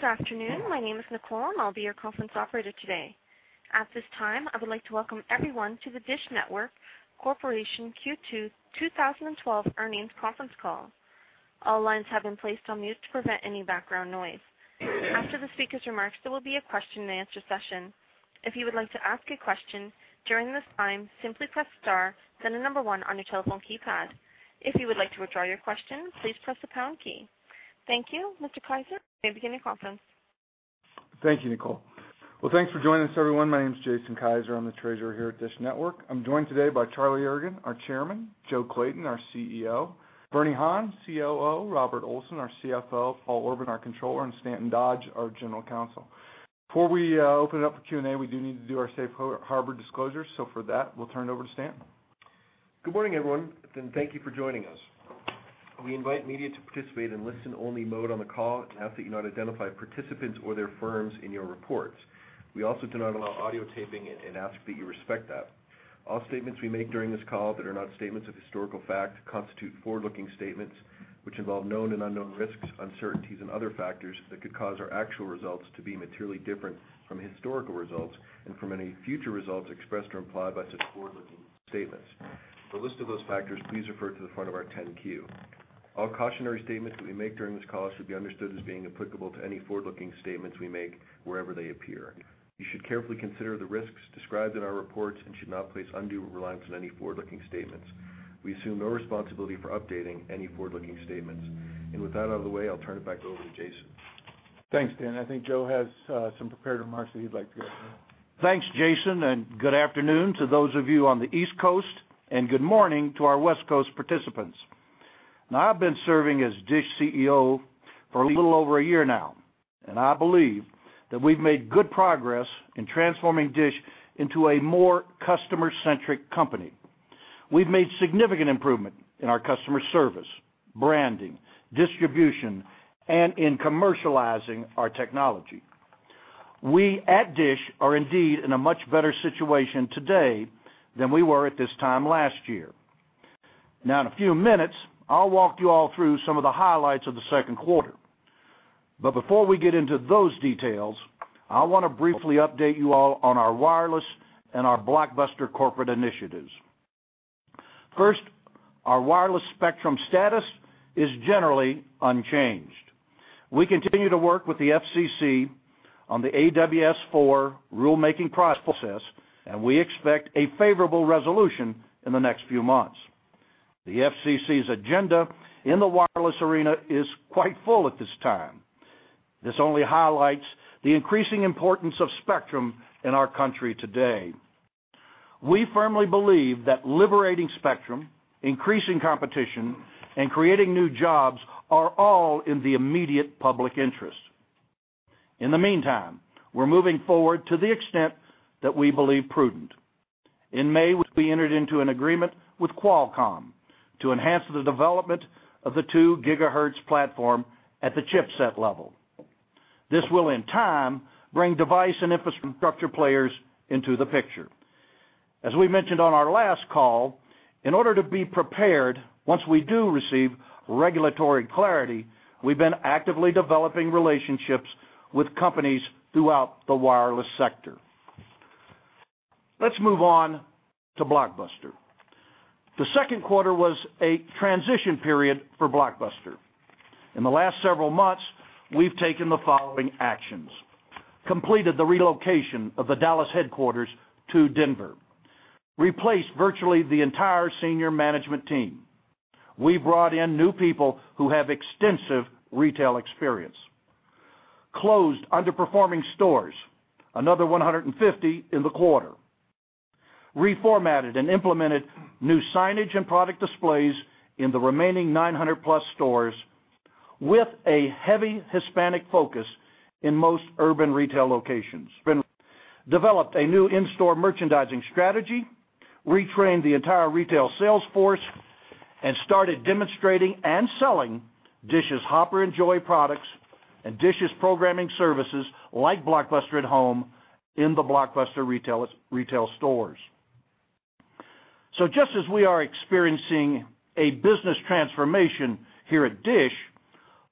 Good afternoon. My name is Nicole, and I'll be your conference operator today. At this time, I would like to welcome everyone to the DISH Network Corporation Q2 2012 earnings conference call. All lines have been placed on mute to prevent any background noise. After the speaker's remarks, there will be a question-and-answer session. If you would like to ask a question during this time, simply press star then the number one on your telephone keypad. If you would like to withdraw your question, please press the pound key. Thank you. Mr. Kiser, you may begin your conference. Thank you, Nicole. Thanks for joining us everyone. My name's Jason Kiser, I'm the Treasurer here at DISH Network. I'm joined today by Charlie Ergen, our Chairman, Joe Clayton, our CEO, Bernard Han, COO, Robert Olson, our CFO, Paul Orban, our Controller, and Stanton Dodge, our General Counsel. Before we open it up for Q&A, we do need to do our safe harbor disclosure. For that, we'll turn it over to Stanton. Good morning, everyone, and thank you for joining us. We invite media to participate in listen-only mode on the call and ask that you not identify participants or their firms in your reports. We also do not allow audio taping and ask that you respect that. All statements we make during this call that are not statements of historical fact constitute forward-looking statements which involve known and unknown risks, uncertainties, and other factors that could cause our actual results to be materially different from historical results and from any future results expressed or implied by such forward-looking statements. For a list of those factors, please refer to the front of our 10-Q. All cautionary statements that we make during this call should be understood as being applicable to any forward-looking statements we make wherever they appear. You should carefully consider the risks described in our reports and should not place undue reliance on any forward-looking statements. We assume no responsibility for updating any forward-looking statements. With that out of the way, I'll turn it back over to Jason. Thanks, Stan. I think Joe has some prepared remarks that he'd like to go through. Thanks, Jason. Good afternoon to those of you on the East Coast, good morning to our West Coast participants. I've been serving as DISH CEO for a little over a year now. I believe that we've made good progress in transforming DISH into a more customer-centric company. We've made significant improvement in our customer service, branding, distribution, and in commercializing our technology. We, at DISH, are indeed in a much better situation today than we were at this time last year. In a few minutes, I'll walk you all through some of the highlights of the second quarter. Before we get into those details, I wanna briefly update you all on our wireless and our Blockbuster corporate initiatives. First, our wireless spectrum status is generally unchanged. We continue to work with the FCC on the AWS4 rulemaking process, and we expect a favorable resolution in the next few months. The FCC's agenda in the wireless arena is quite full at this time. This only highlights the increasing importance of spectrum in our country today. We firmly believe that liberating spectrum, increasing competition, and creating new jobs are all in the immediate public interest. In the meantime, we're moving forward to the extent that we believe prudent. In May, we entered into an agreement with Qualcomm to enhance the development of the 2 gigahertz platform at the chipset level. This will, in time, bring device and infrastructure players into the picture. As we mentioned on our last call, in order to be prepared once we do receive regulatory clarity, we've been actively developing relationships with companies throughout the wireless sector. Let's move on to Blockbuster. The second quarter was a transition period for Blockbuster. In the last several months, we've taken the following actions: completed the relocation of the Dallas headquarters to Denver; replaced virtually the entire senior management team. We brought in new people who have extensive retail experience. Closed underperforming stores, another 150 in the quarter. Reformatted and implemented new signage and product displays in the remaining 900+ stores with a heavy Hispanic focus in most urban retail locations. Developed a new in-store merchandising strategy, retrained the entire retail sales force, and started demonstrating and selling DISH's Hopper and Joey products and DISH's programming services like Blockbuster @Home in the Blockbuster retail stores. Just as we are experiencing a business transformation here at DISH,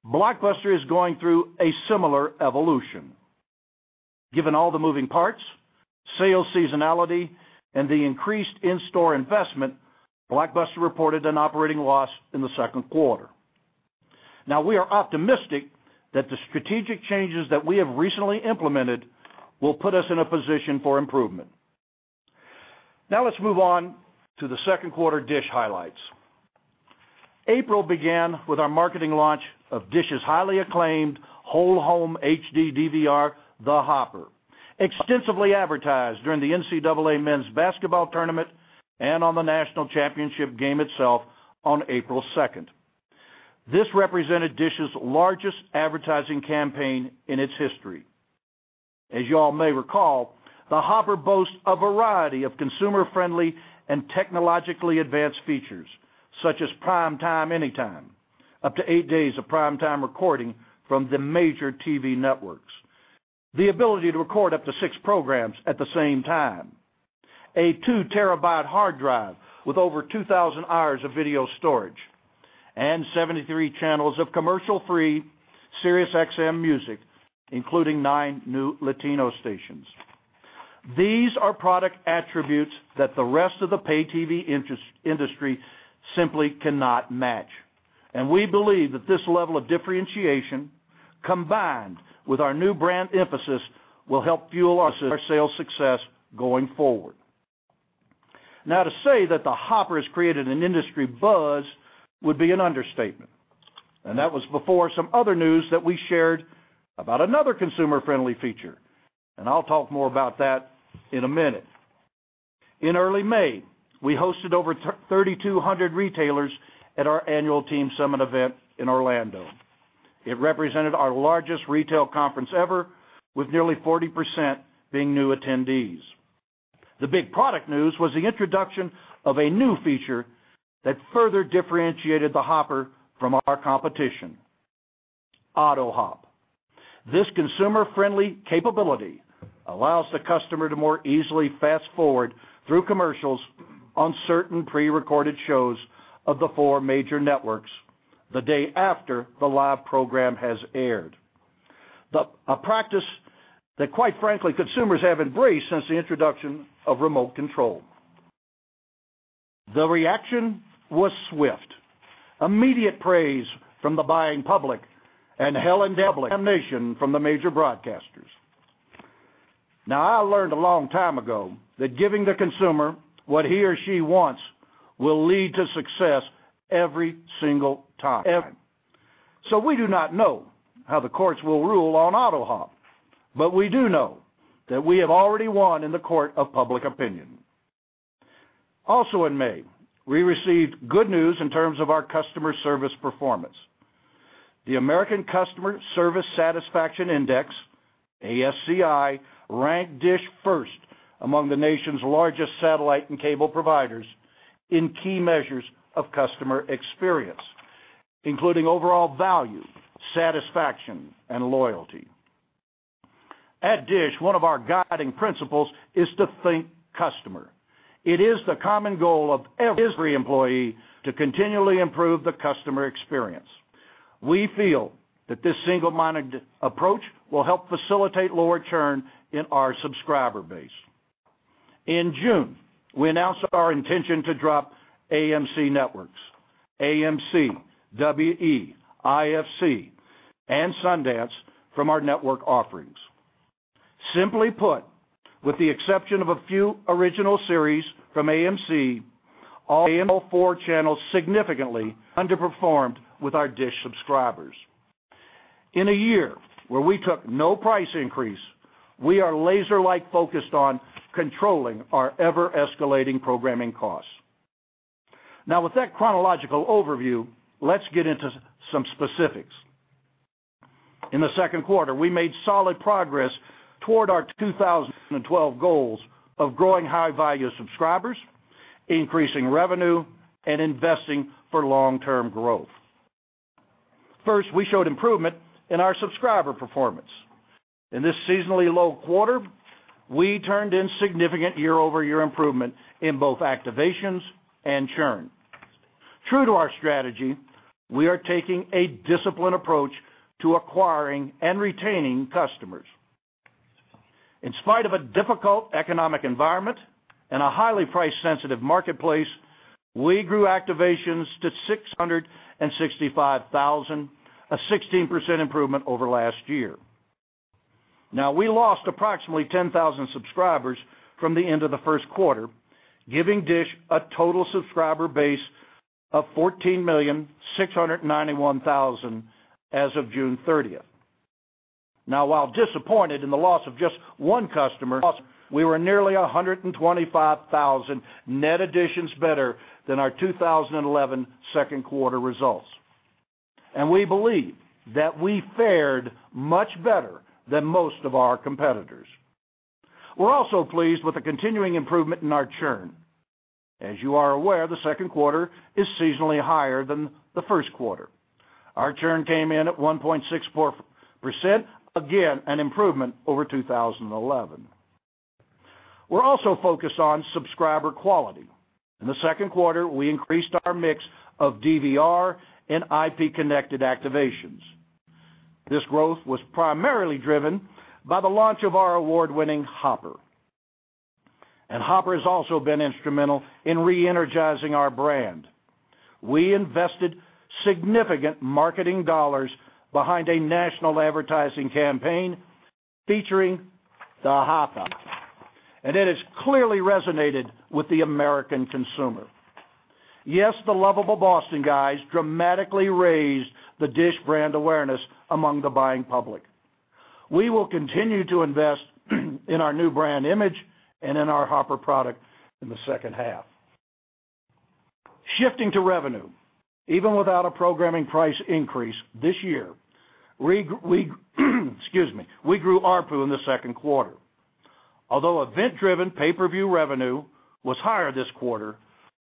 Blockbuster is going through a similar evolution. Given all the moving parts, sales seasonality, and the increased in-store investment, Blockbuster reported an operating loss in the second quarter. We are optimistic that the strategic changes that we have recently implemented will put us in a position for improvement. Let's move on to the second quarter DISH highlights. April began with our marketing launch of DISH's highly acclaimed whole home HD DVR, the Hopper, extensively advertised during the NCAA Men's Basketball Tournament and on the national championship game itself on April second. This represented DISH's largest advertising campaign in its history. As you all may recall, the Hopper boasts a variety of consumer-friendly and technologically advanced features, such as PrimeTime Anytime, up to eight days of prime time recording from the major TV networks, the ability to record up to six programs at the same time, a 2 TB hard drive with over 2,000 hours of video storage, and 73 channels of commercial free Sirius XM music, including nine new Latino stations. These are product attributes that the rest of the pay TV industry simply cannot match. We believe that this level of differentiation, combined with our new brand emphasis, will help fuel our sales success going forward. Now, to say that the Hopper has created an industry buzz would be an understatement, and that was before some other news that we shared about another consumer-friendly feature, and I'll talk more about that in a minute. In early May, we hosted over 3,200 retailers at our Annual Team Summit event in Orlando. It represented our largest retail conference ever, with nearly 40% being new attendees. The big product news was the introduction of a new feature that further differentiated the Hopper from our competition, AutoHop. This consumer-friendly capability allows the customer to more easily fast-forward through commercials on certain prerecorded shows of the four major networks the day after the live program has aired. A practice that quite frankly, consumers have embraced since the introduction of remote control. The reaction was swift. Immediate praise from the buying public and hell and damnation from the major broadcasters. I learned a long time ago that giving the consumer what he or she wants will lead to success every single time. We do not know how the courts will rule on AutoHop, but we do know that we have already won in the court of public opinion. Also in May, we received good news in terms of our customer service performance. The American Customer Satisfaction Index, ACSI, ranked DISH first among the nation's largest satellite and cable providers in key measures of customer experience, including overall value, satisfaction, and loyalty. At DISH, one of our guiding principles is to think customer. It is the common goal of every employee to continually improve the customer experience. We feel that this single-minded approach will help facilitate lower churn in our subscriber base. In June, we announced our intention to drop AMC Networks, AMC, WE, IFC, and Sundance from our network offerings. Simply put, with the exception of a few original series from AMC, all four channels significantly underperformed with our DISH subscribers. In a year where we took no price increase, we are laser-like focused on controlling our ever-escalating programming costs. With that chronological overview, let's get into some specifics. In the second quarter, we made solid progress toward our 2012 goals of growing high value subscribers, increasing revenue, and investing for long-term growth. We showed improvement in our subscriber performance. In this seasonally low quarter, we turned in significant year-over-year improvement in both activations and churn. True to our strategy, we are taking a disciplined approach to acquiring and retaining customers. In spite of a difficult economic environment and a highly price-sensitive marketplace, we grew activations to 665,000, a 16% improvement over last year. We lost approximately 10,000 subscribers from the end of the first quarter, giving DISH a total subscriber base of 14,691,000 as of June thirtieth. While disappointed in the loss of just one customer, we were nearly 125,000 net additions better than our 2011 second quarter results. We believe that we fared much better than most of our competitors. We're also pleased with the continuing improvement in our churn. As you are aware, the second quarter is seasonally higher than the first quarter. Our churn came in at 1.64%, again, an improvement over 2011. We're also focused on subscriber quality. In the second quarter, we increased our mix of DVR and IP connected activations. This growth was primarily driven by the launch of our award-winning Hopper. Hopper has also been instrumental in re-energizing our brand. We invested significant marketing dollars behind a national advertising campaign featuring Hopper, and it has clearly resonated with the American consumer. Yes, the lovable Boston guys dramatically raised the DISH brand awareness among the buying public. We will continue to invest in our new brand image and in our Hopper product in the second half. Shifting to revenue, even without a programming price increase this year, we grew ARPU in the second quarter. Although event-driven pay-per-view revenue was higher this quarter,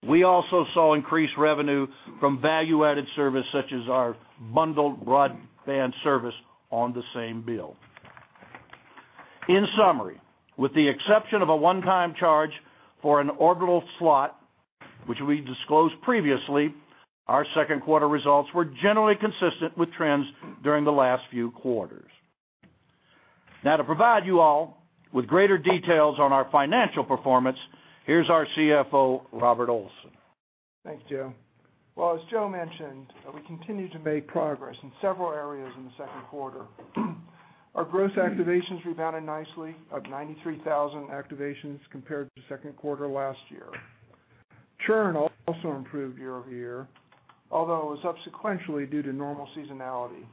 we also saw increased revenue from value-added service such as our bundled broadband service on the same bill. In summary, with the exception of a one-time charge for an orbital slot, which we disclosed previously, our second quarter results were generally consistent with trends during the last few quarters. Now to provide you all with greater details on our financial performance, here's our CFO, Robert Olson. Thanks, Joe. As Joe mentioned, we continue to make progress in several areas in the second quarter. Our gross activations rebounded nicely at 93,000 activations compared to second quarter last year. Churn also improved year-over-year, although it was subsequently due to normal seasonality.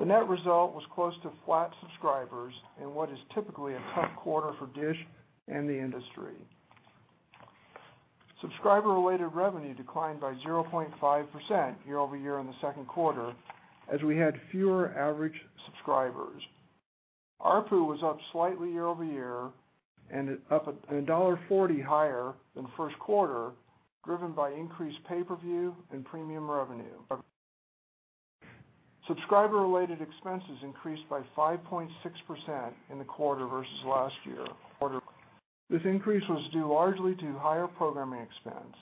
The net result was close to flat subscribers in what is typically a tough quarter for DISH and the industry. Subscriber-related revenue declined by 0.5% year-over-year in the second quarter as we had fewer average subscribers. ARPU was up slightly year-over-year and up $1.40 higher than first quarter, driven by increased pay-per-view and premium revenue. Subscriber-related expenses increased by 5.6% in the quarter versus last year. This increase was due largely to higher programming expense.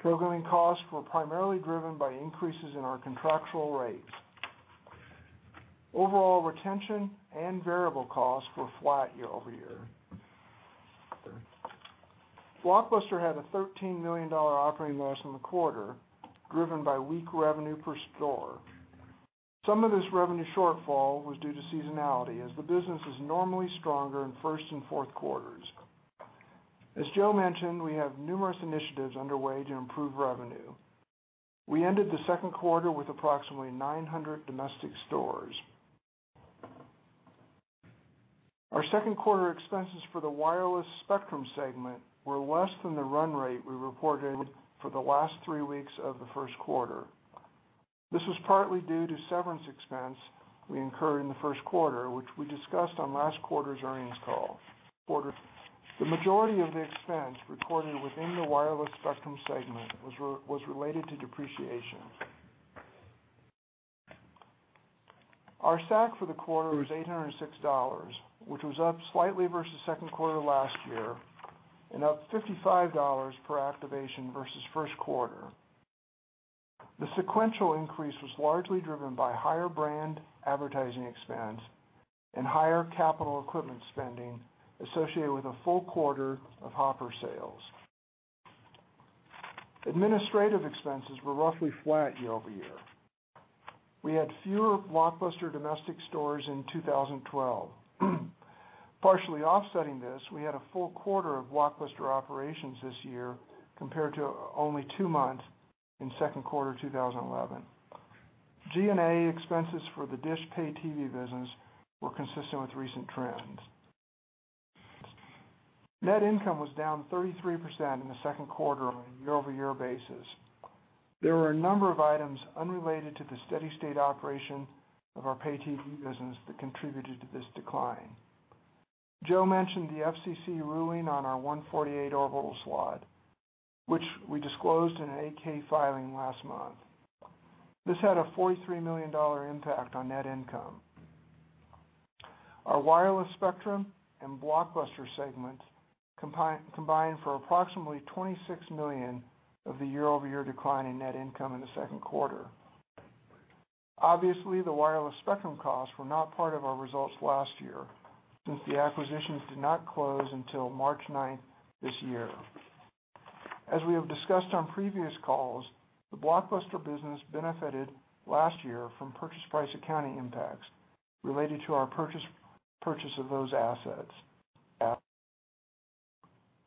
Programming costs were primarily driven by increases in our contractual rates. Overall retention and variable costs were flat year-over-year. Blockbuster had a $13 million operating loss in the quarter, driven by weak revenue per store. Some of this revenue shortfall was due to seasonality as the business is normally stronger in first and fourth quarters. As Joe mentioned, we have numerous initiatives underway to improve revenue. We ended the second quarter with approximately 900 domestic stores. Our second quarter expenses for the wireless spectrum segment were less than the run rate we reported for the last three weeks of the first quarter. This was partly due to severance expense we incurred in the first quarter, which we discussed on last quarter's earnings call. The majority of the expense recorded within the wireless spectrum segment was related to depreciation. Our SAC for the quarter was $806, which was up slightly versus second quarter last year and up $55 per activation versus first quarter. The sequential increase was largely driven by higher brand advertising expense and higher capital equipment spending associated with a full quarter of Hopper sales. Administrative expenses were roughly flat year-over-year. We had fewer Blockbuster domestic stores in 2012. Partially offsetting this, we had a full quarter of Blockbuster operations this year compared to only two months in second quarter 2011. G&A expenses for the DISH pay TV business were consistent with recent trends. Net income was down 33% in the second quarter on a year-over-year basis. There were a number of items unrelated to the steady state operation of our pay TV business that contributed to this decline. Joe mentioned the FCC ruling on our 148 orbital slot, which we disclosed in an 8-K filing last month. This had a $43 million impact on net income. Our wireless spectrum and Blockbuster segments combined for approximately $26 million of the year-over-year decline in net income in the second quarter. The wireless spectrum costs were not part of our results last year since the acquisitions did not close until March 9 this year. As we have discussed on previous calls, the Blockbuster business benefited last year from purchase price accounting impacts related to our purchase of those assets.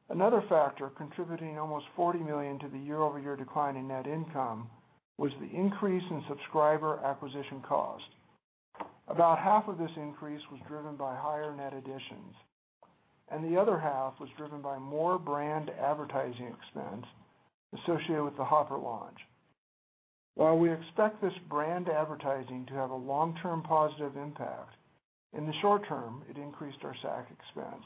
Another factor contributing almost $40 million to the year-over-year decline in net income was the increase in subscriber acquisition cost. About half of this increase was driven by higher net additions, and the other half was driven by more brand advertising expense associated with the Hopper launch. While we expect this brand advertising to have a long-term positive impact, in the short term, it increased our SAC expense.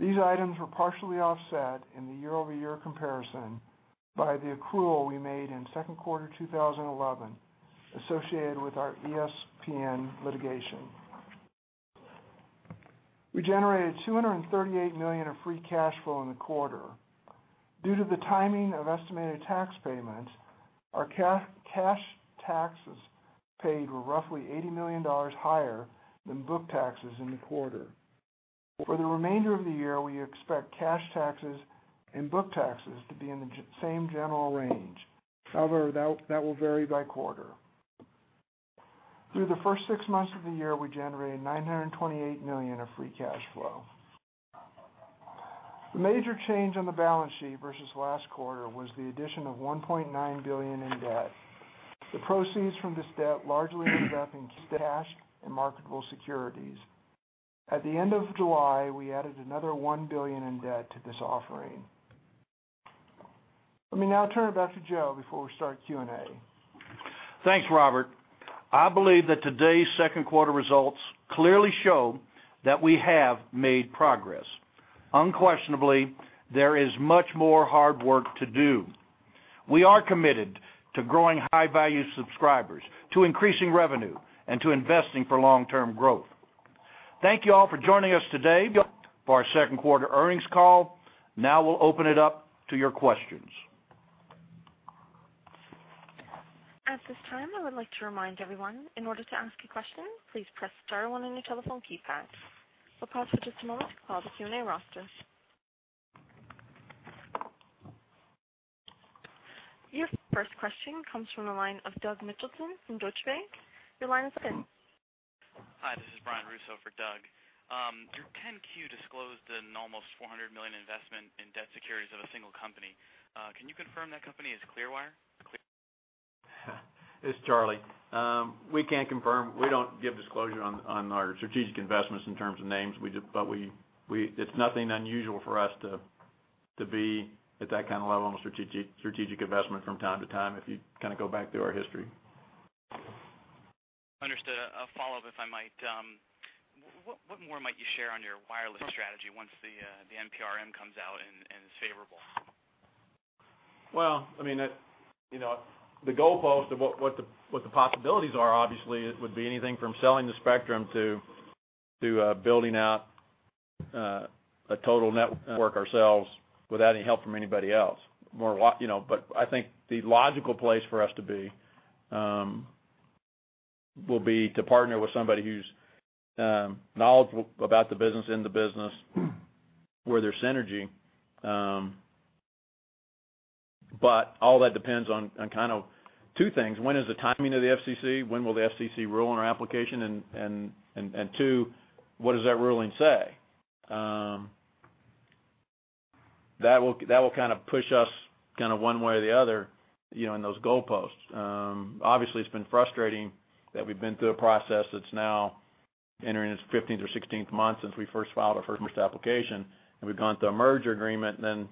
These items were partially offset in the year-over-year comparison by the accrual we made in second quarter 2011 associated with our ESPN litigation. We generated $238 million of free cash flow in the quarter. Due to the timing of estimated tax payments, our cash taxes paid were roughly $80 million higher than book taxes in the quarter. For the remainder of the year, we expect cash taxes and book taxes to be in the same general range. That will vary by quarter. Through the first six months of the year, we generated $928 million of free cash flow. The major change on the balance sheet versus last quarter was the addition of $1.9 billion in debt. The proceeds from this debt largely ended up in cash and marketable securities. At the end of July, we added another $1 billion in debt to this offering. Let me now turn it back to Joe Clayton before we start Q&A. Thanks, Robert. I believe that today's second quarter results clearly show that we have made progress. Unquestionably, there is much more hard work to do. We are committed to growing high-value subscribers, to increasing revenue, and to investing for long-term growth. Thank you all for joining us today for our second quarter earnings call. Now we'll open it up to your questions. At this time, I would like to remind everyone, in order to ask a question, please press star one on your telephone keypad. We'll pause for just a moment while the Q&A rosters. Your first question comes from the line of Doug Mitchelson from Deutsche Bank. Your line is open. Hi, this is Brian Russo for Doug. Your 10-Q disclosed an almost $400 million investment in debt securities of a single company. Can you confirm that company is Clearwire? It's Charlie. We can't confirm. We don't give disclosure on our strategic investments in terms of names. It's nothing unusual for us to be at that kind of level on a strategic investment from time to time if you kinda go back through our history. Understood. A follow-up, if I might. What more might you share on your wireless strategy once the NPRM comes out and is favorable? Well, I mean, you know, the goalpost of what the possibilities are, obviously it would be anything from selling the spectrum to building out a total network ourselves without any help from anybody else. You know, but I think the logical place for us to be will be to partner with somebody who's knowledgeable about the business, in the business, where there's synergy. But all that depends on kind of two things. When is the timing of the FCC? When will the FCC rule on our application? Two, what does that ruling say? That will kind of push us kind of one way or the other, you know, in those goalposts. Obviously, it's been frustrating that we've been through a process that's now entering its 15th or 16th month since we first filed our first application. We've gone through a merger agreement then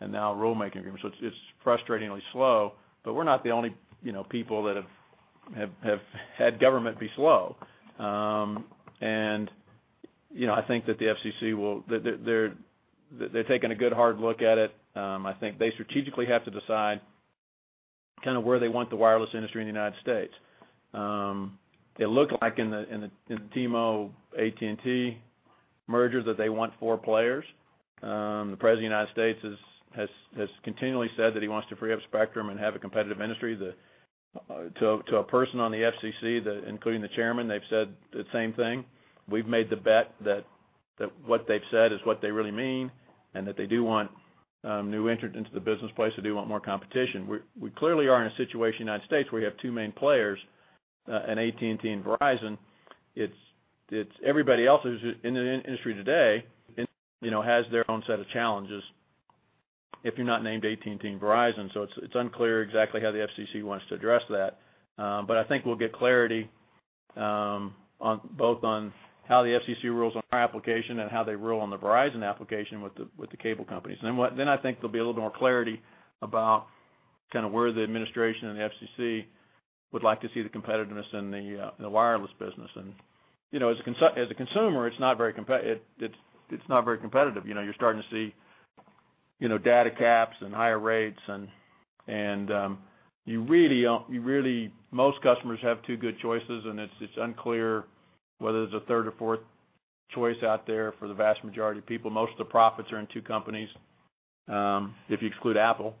and now a rulemaking agreement. It's frustratingly slow, but we're not the only, you know, people that have had government be slow. You know, I think that the FCC will that they're taking a good hard look at it. I think they strategically have to decide kind of where they want the wireless industry in the U.S. It looked like in the T-Mobile AT&T merger that they want four players. The President of the U.S. has continually said that he wants to free up spectrum and have a competitive industry. To a person on the FCC, including the chairman, they've said the same thing. We've made the bet that what they've said is what they really mean, and that they do want new entrants into the business place, they do want more competition. We clearly are in a situation in the U.S. where you have two main players in AT&T and Verizon. Everybody else who's in the industry today, you know, has their own set of challenges if you're not named AT&T and Verizon. It's unclear exactly how the FCC wants to address that. I think we'll get clarity on both on how the FCC rules on our application and how they rule on the Verizon application with the cable companies. Then I think there'll be a little more clarity about kind of where the administration and the FCC would like to see the competitiveness in the wireless business. You know, as a consumer, it's not very competitive. You know, you're starting to see, you know, data caps and higher rates and, really most customers have two good choices, and it's unclear whether there's a third or fourth choice out there for the vast majority of people. Most of the profits are in two companies, if you exclude Apple.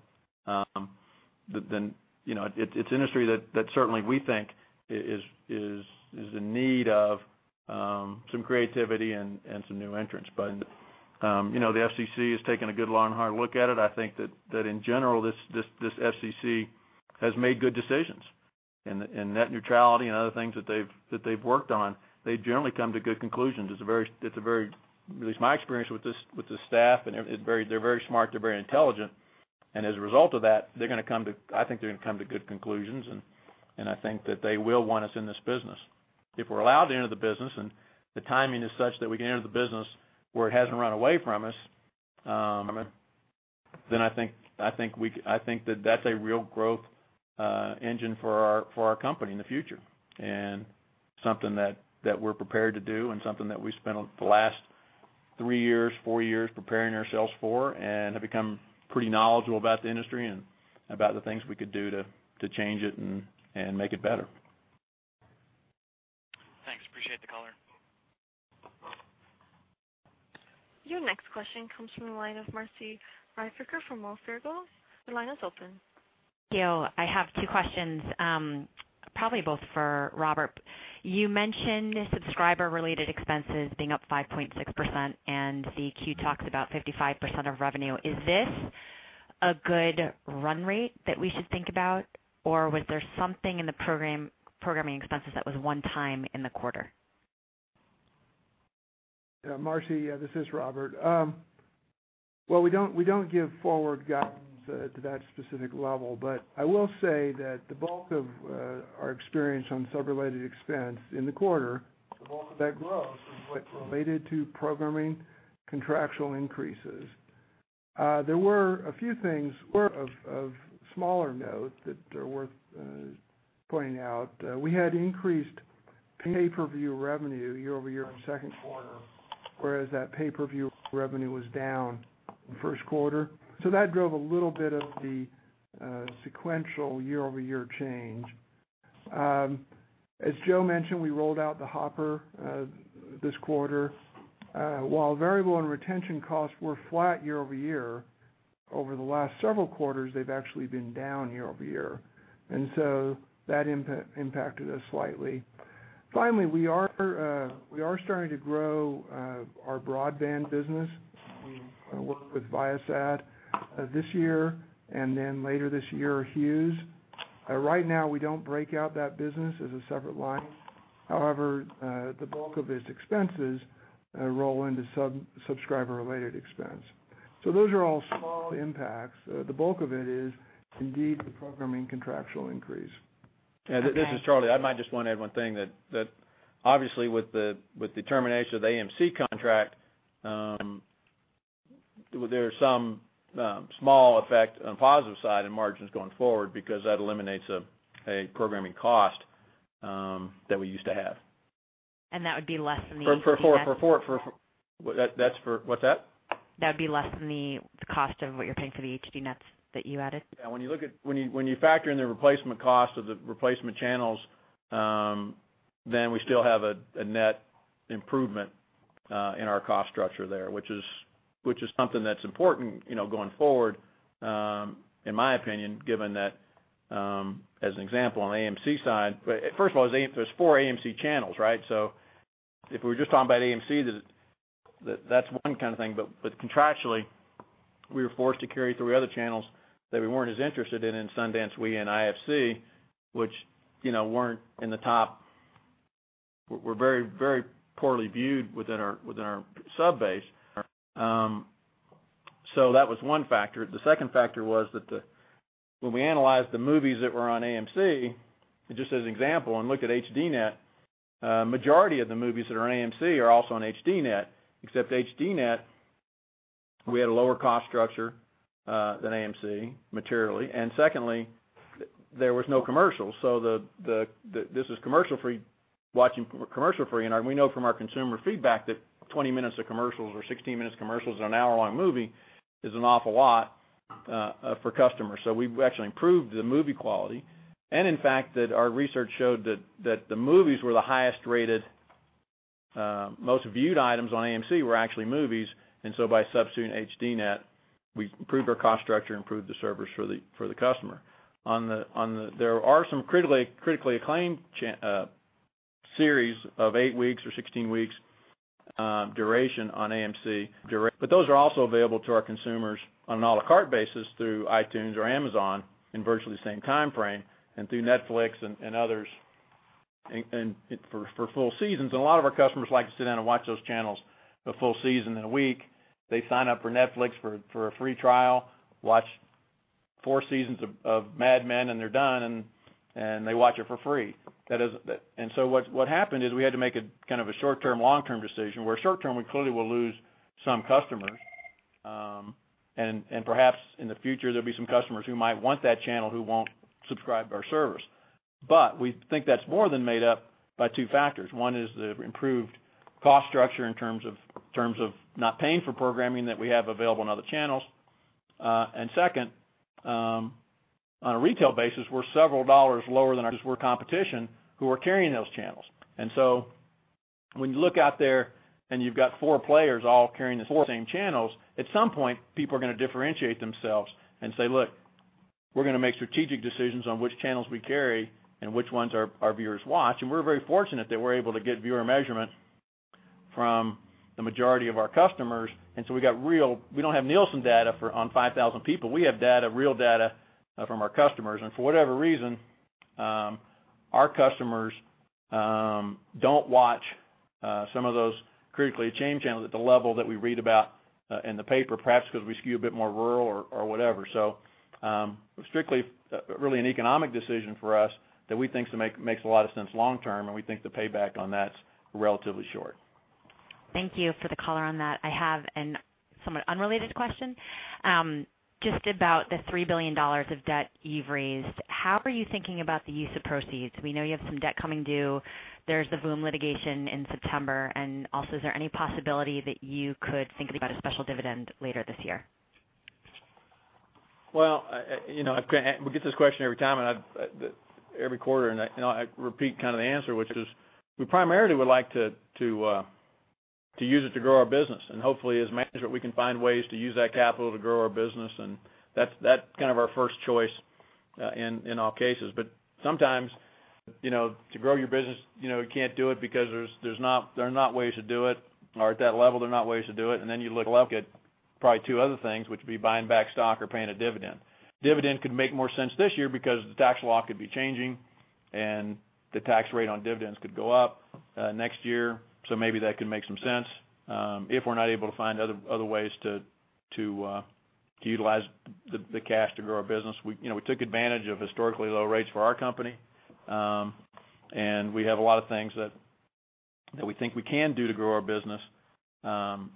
Then, you know, it's an industry that certainly we think is in need of some creativity and some new entrants. You know, the FCC is taking a good, long, hard look at it. I think that in general, this FCC has made good decisions. In net neutrality and other things that they've worked on, they generally come to good conclusions. At least my experience with this staff, they're very smart, they're very intelligent, and as a result of that, I think they're gonna come to good conclusions, and I think that they will want us in this business. If we're allowed to enter the business and the timing is such that we can enter the business where it hasn't run away from us, I think that that's a real growth engine for our company in the future and something that we're prepared to do and something that we spent the last three years, four years preparing ourselves for and have become pretty knowledgeable about the industry and about the things we could do to change it and make it better. Thanks. Appreciate the color. Your next question comes from the line of Marci Ryvicker from Wells Fargo. Your line is open. Thank you. I have two questions, probably both for Robert. You mentioned subscriber related expenses being up 5.6%, and the Q talks about 55% of revenue. Is this a good run rate that we should think about? Was there something in the programming expenses that was one-time in the quarter? Yeah, Marci, this is Robert. We don't give forward guidance to that specific level, but I will say that the bulk of our experience on sub-related expense in the quarter. The bulk of that growth is related to programming contractual increases. There were a few things of smaller note that are worth pointing out. We had increased pay-per-view revenue year-over-year in the second quarter, whereas that pay-per-view revenue was down the first quarter. That drove a little bit of the sequential year-over-year change. As Joe mentioned, we rolled out the Hopper this quarter. While variable and retention costs were flat year-over-year, over the last several quarters, they've actually been down year-over-year, that impacted us slightly. We are starting to grow our broadband business. We work with ViaSat this year and then later this year, Hughes. Right now, we don't break out that business as a separate line. The bulk of its expenses roll into subscriber-related expense. Those are all small impacts. The bulk of it is indeed the programming contractual increase. Okay. Yeah, this is Charlie. I might just wanna add one thing that obviously with the termination of the AMC contract, there are some small effect on the positive side in margins going forward because that eliminates a programming cost that we used to have. that would be less than the HDNet. For that's, what's that? That'd be less than the cost of what you're paying for the HDNets that you added? Yeah. When you factor in the replacement cost of the replacement channels, then we still have a net improvement in our cost structure there, which is something that's important, you know, going forward, in my opinion, given that, as an example, on the AMC side. First of all, there's four AMC channels, right? If we were just talking about AMC, then that's one kind of thing. contractually, we were forced to carry three other channels that we weren't as interested in SundanceTV, WE tv, and IFC, which, you know, were very, very poorly viewed within our sub base. So that was one factor. The second factor was that. When we analyzed the movies that were on AMC, just as an example, and looked at HDNet, majority of the movies that are on AMC are also on HDNet. Except, HDNet, we had a lower cost structure than AMC materially. Secondly, there was no commercials. This is commercial-free, watching commercial-free. We know from our consumer feedback that 20 minutes of commercials or 16 minutes commercials on a one-hour-long movie is an awful lot for customers. We've actually improved the movie quality. In fact, our research showed that the movies were the highest rated, most viewed items on AMC were actually movies. By substituting HDNet, we improved our cost structure, improved the service for the customer. There are some critically acclaimed series of eight weeks or 16 weeks duration on AMC. Those are also available to our consumers on an à la carte basis through iTunes or Amazon in virtually the same timeframe and through Netflix and others for full seasons. A lot of our customers like to sit down and watch those channels, the full season in a week. They sign up for Netflix for a free trial, watch four seasons of Mad Men, and they're done, and they watch it for free. That is. What happened is we had to make a kind of a short-term, long-term decision, where short-term we clearly will lose some customers. Perhaps in the future, there'll be some customers who might want that channel who won't subscribe to our service. We think that's more than made up by two factors. One is the improved cost structure in terms of not paying for programming that we have available on other channels. Second, on a retail basis, we're several dollars lower than our competition who are carrying those channels. When you look out there and you've got four players all carrying the four same channels, at some point, people are gonna differentiate themselves and say, "Look, we're gonna make strategic decisions on which channels we carry and which ones our viewers watch." We're very fortunate that we're able to get viewer measurement from the majority of our customers. We don't have Nielsen data for on 5,000 people. We have data, real data from our customers. For whatever reason, our customers don't watch some of those critically acclaimed channels at the level that we read about in the paper, perhaps because we skew a bit more rural or whatever. Strictly, really an economic decision for us that we think makes a lot of sense long term, and we think the payback on that's relatively short. Thank you for the color on that. I have a somewhat unrelated question. Just about the $3 billion of debt you've raised, how are you thinking about the use of proceeds? We know you have some debt coming due. There's the Voom litigation in September. Is there any possibility that you could think about a special dividend later this year? Well, you know, we get this question every time, every quarter, and I, you know, I repeat kind of the answer, which is we primarily would like to use it to grow our business. Hopefully, as management, we can find ways to use that capital to grow our business, and that's kind of our first choice in all cases. Sometimes, you know, to grow your business, you know, you can't do it because there are not ways to do it, or at that level, there are not ways to do it. Then you look at probably two other things, which would be buying back stock or paying a dividend. Dividend could make more sense this year because the tax law could be changing and the tax rate on dividends could go up next year. Maybe that could make some sense, if we're not able to find other ways to utilize the cash to grow our business. We, you know, we took advantage of historically low rates for our company. We have a lot of things that we think we can do to grow our business. You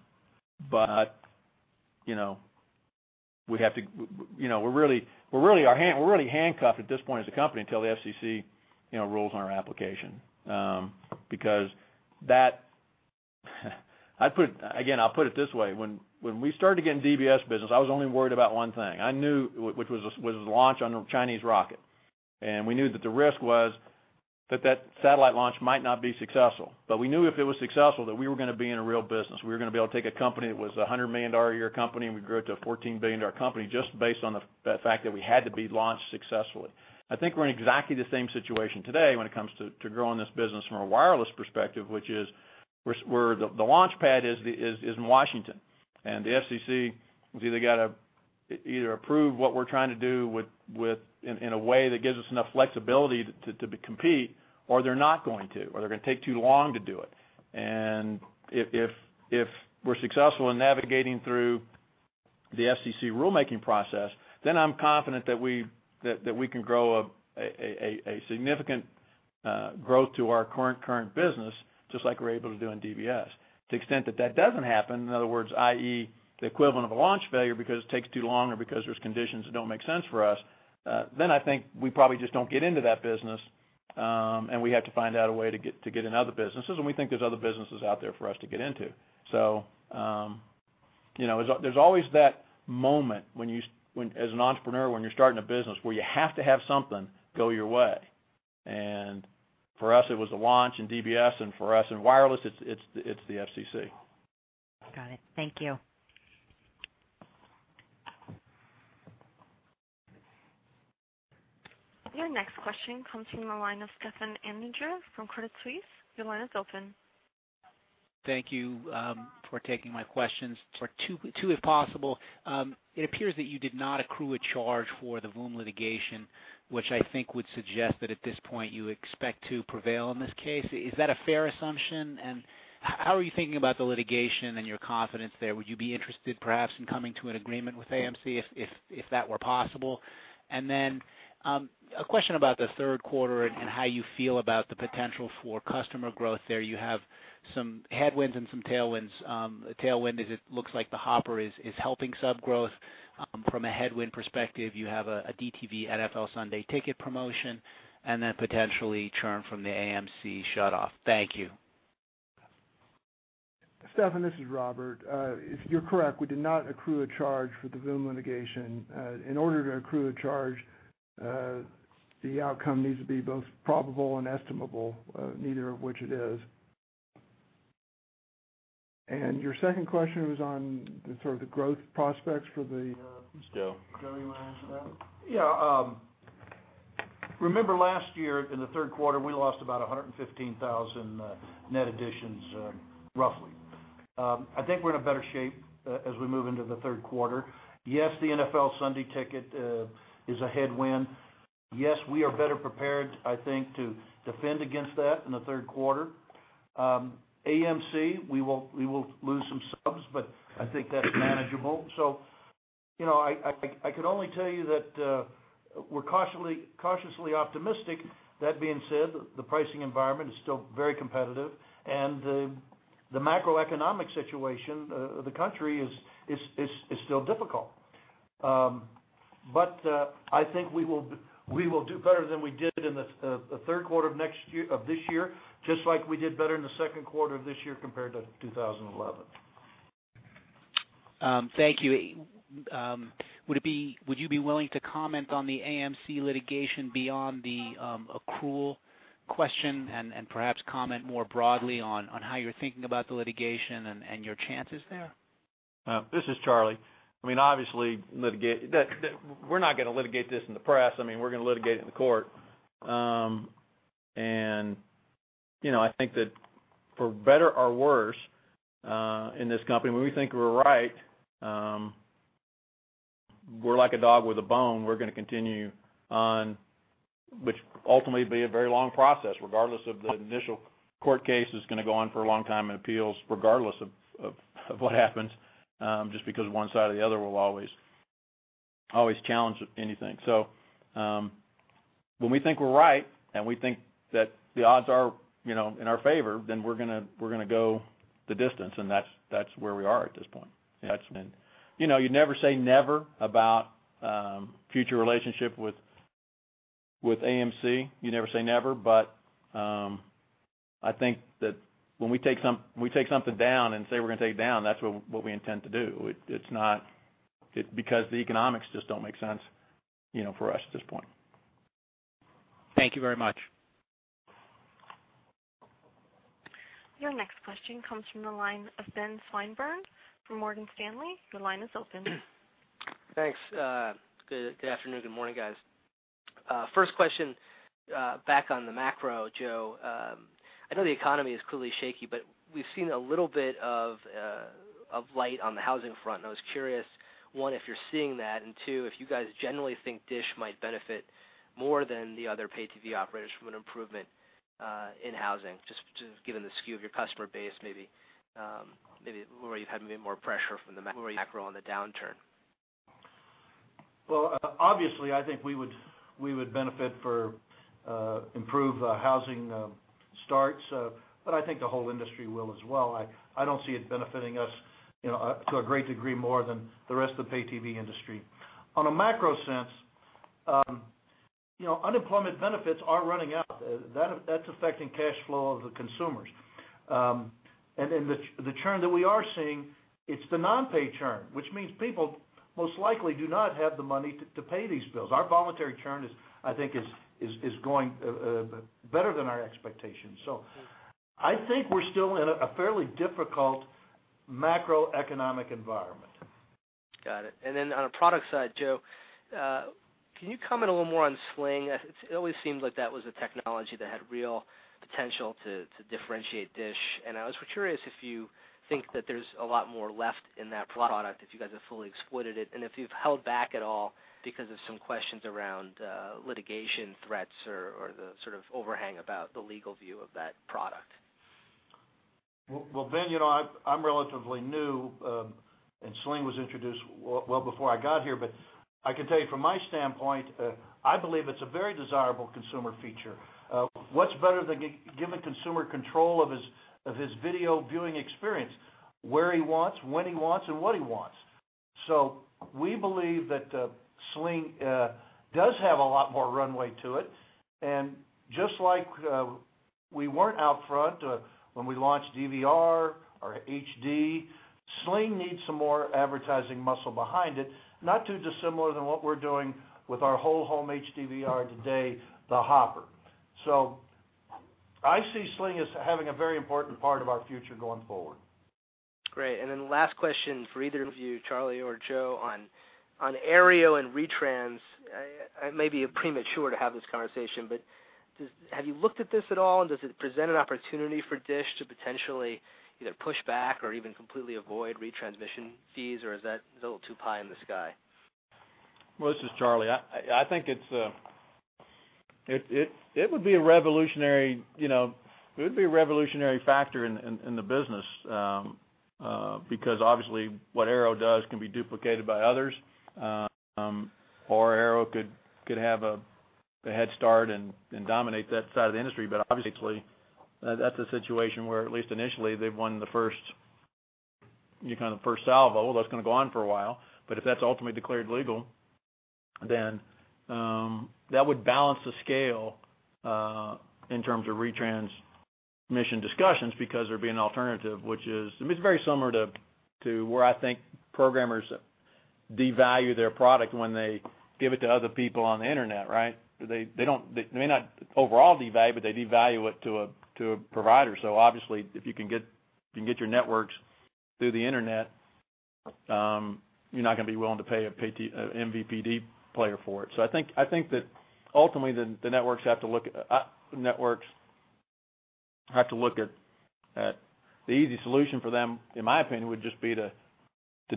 know, we're really handcuffed at this point as a company until the FCC, you know, rules on our application. Again, I'll put it this way. When we started to get in DBS business, I was only worried about one thing. Which was the launch on a Chinese rocket. We knew that the risk was that satellite launch might not be successful. We knew if it was successful, that we were going to be in a real business. We were going to be able to take a company that was $100 million a year company, and we grew it to a $14 billion company just based on the fact that we had to be launched successfully. I think we're in exactly the same situation today when it comes to growing this business from a wireless perspective, which is the launchpad is in Washington. The FCC has either got to either approve what we're trying to do with in a way that gives us enough flexibility to compete, or they're not going to, or they're going to take too long to do it. If we're successful in navigating through the FCC rulemaking process, I'm confident that we can grow a significant growth to our current business, just like we were able to do in DBS. To the extent that that doesn't happen, in other words, i.e., the equivalent of a launch failure because it takes too long or because there's conditions that don't make sense for us, I think we probably just don't get into that business, we have to find out a way to get in other businesses, and we think there's other businesses out there for us to get into. You know, there's always that moment when, as an entrepreneur, when you're starting a business, where you have to have something go your way. For us, it was the launch in DBS, and for us in wireless, it's the FCC. Got it. Thank you. Your next question comes from the line of Stefan Anninger from Credit Suisse. Your line is open. Thank you for taking my questions. For two, if possible. It appears that you did not accrue a charge for the Voom litigation, which I think would suggest that at this point, you expect to prevail in this case. Is that a fair assumption? How are you thinking about the litigation and your confidence there? Would you be interested perhaps in coming to an agreement with AMC if that were possible? Then a question about the third quarter and how you feel about the potential for customer growth there. You have some headwinds and some tailwinds. A tailwind is it looks like the Hopper is helping sub growth. From a headwind perspective, you have a DTV NFL Sunday Ticket promotion, and then potentially churn from the AMC shutoff. Thank you. Stefan, this is Robert. You're correct, we did not accrue a charge for the Voom litigation. In order to accrue a charge, the outcome needs to be both probable and estimable, neither of which it is. It's Joe. Joe, you wanna answer that? Remember last year in the third quarter, we lost about 115,000 net additions, roughly. I think we're in a better shape as we move into the third quarter. Yes, the NFL Sunday Ticket is a headwind. Yes, we are better prepared, I think, to defend against that in the third quarter. AMC, we will lose some subs, but I think that's manageable. You know, I could only tell you that we're cautiously optimistic. That being said, the pricing environment is still very competitive, and the macroeconomic situation of the country is still difficult. I think we will do better than we did in the third quarter of this year, just like we did better in the second quarter of this year compared to 2011. Thank you. Would you be willing to comment on the AMC litigation beyond the accrual question and perhaps comment more broadly on how you're thinking about the litigation and your chances there? This is Charlie. We're not gonna litigate this in the press. We're gonna litigate it in the court. You know, I think that for better or worse, in this company, when we think we're right, we're like a dog with a bone. We're gonna continue on, which ultimately be a very long process, regardless of the initial court case is gonna go on for a long time in appeals, regardless of what happens, just because one side or the other will always challenge anything. When we think we're right, we think that the odds are, you know, in our favor, we're gonna go the distance, and that's where we are at this point. That's been You know, you never say never about future relationship with AMC. You never say never. I think that when we take something down and say we're gonna take it down, that's what we intend to do. It's not Because the economics just don't make sense, you know, for us at this point. Thank you very much. Your next question comes from the line of Ben Swinburne from Morgan Stanley. Your line is open. Thanks, good afternoon, good morning, guys. First question, back on the macro, Joe. I know the economy is clearly shaky, but we've seen a little bit of light on the housing front, and I was curious, one, if you're seeing that, and two, if you guys generally think DISH might benefit more than the other pay TV operators from an improvement in housing, just given the skew of your customer base, maybe where you've had more pressure from the macro on the downturn. Well, obviously, I think we would benefit for improved housing starts, I think the whole industry will as well. I don't see it benefiting us, you know, to a great degree more than the rest of the pay TV industry. On a macro sense, you know, unemployment benefits are running out. That's affecting cash flow of the consumers. In the churn that we are seeing, it's the non-pay churn, which means people most likely do not have the money to pay these bills. Our voluntary churn is, I think, is going better than our expectations. I think we're still in a fairly difficult macroeconomic environment. Got it. On a product side, Joe, can you comment a little more on Sling? It always seemed like that was a technology that had real potential to differentiate DISH. I was curious if you think that there's a lot more left in that product, if you guys have fully exploited it, and if you've held back at all because of some questions around litigation threats or the sort of overhang about the legal view of that product. Ben, you know, I'm relatively new, and Sling was introduced well before I got here. I can tell you from my standpoint, I believe it's a very desirable consumer feature. What's better than giving consumer control of his video viewing experience where he wants, when he wants, and what he wants? We believe that Sling does have a lot more runway to it. Just like we weren't out front when we launched DVR or HD, Sling needs some more advertising muscle behind it, not too dissimilar than what we're doing with our whole home HDVR today, the Hopper. I see Sling as having a very important part of our future going forward. Great. Last question for either of you, Charlie or Joe, on Aereo and retrans. I may be premature to have this conversation, but have you looked at this at all? Does it present an opportunity for DISH to potentially either push back or even completely avoid retransmission fees, or is that a little too pie in the sky? This is Charlie. I think it's it would be a revolutionary, you know, it would be a revolutionary factor in the business because obviously what Aereo does can be duplicated by others. Aereo could have a head start and dominate that side of the industry. Obviously, that's a situation where, at least initially, they've won the first salvo. That's gonna go on for a while. If that's ultimately declared legal, that would balance the scale in terms of retransmission discussions because there'd be an alternative, which is I mean, it's very similar to where I think programmers devalue their product when they give it to other people on the Internet, right? They may not overall devalue it, but they devalue it to a provider. Obviously, if you can get your networks through the Internet, you're not gonna be willing to pay a MVPD player for it. I think that ultimately the networks have to look at the easy solution for them, in my opinion, would just be to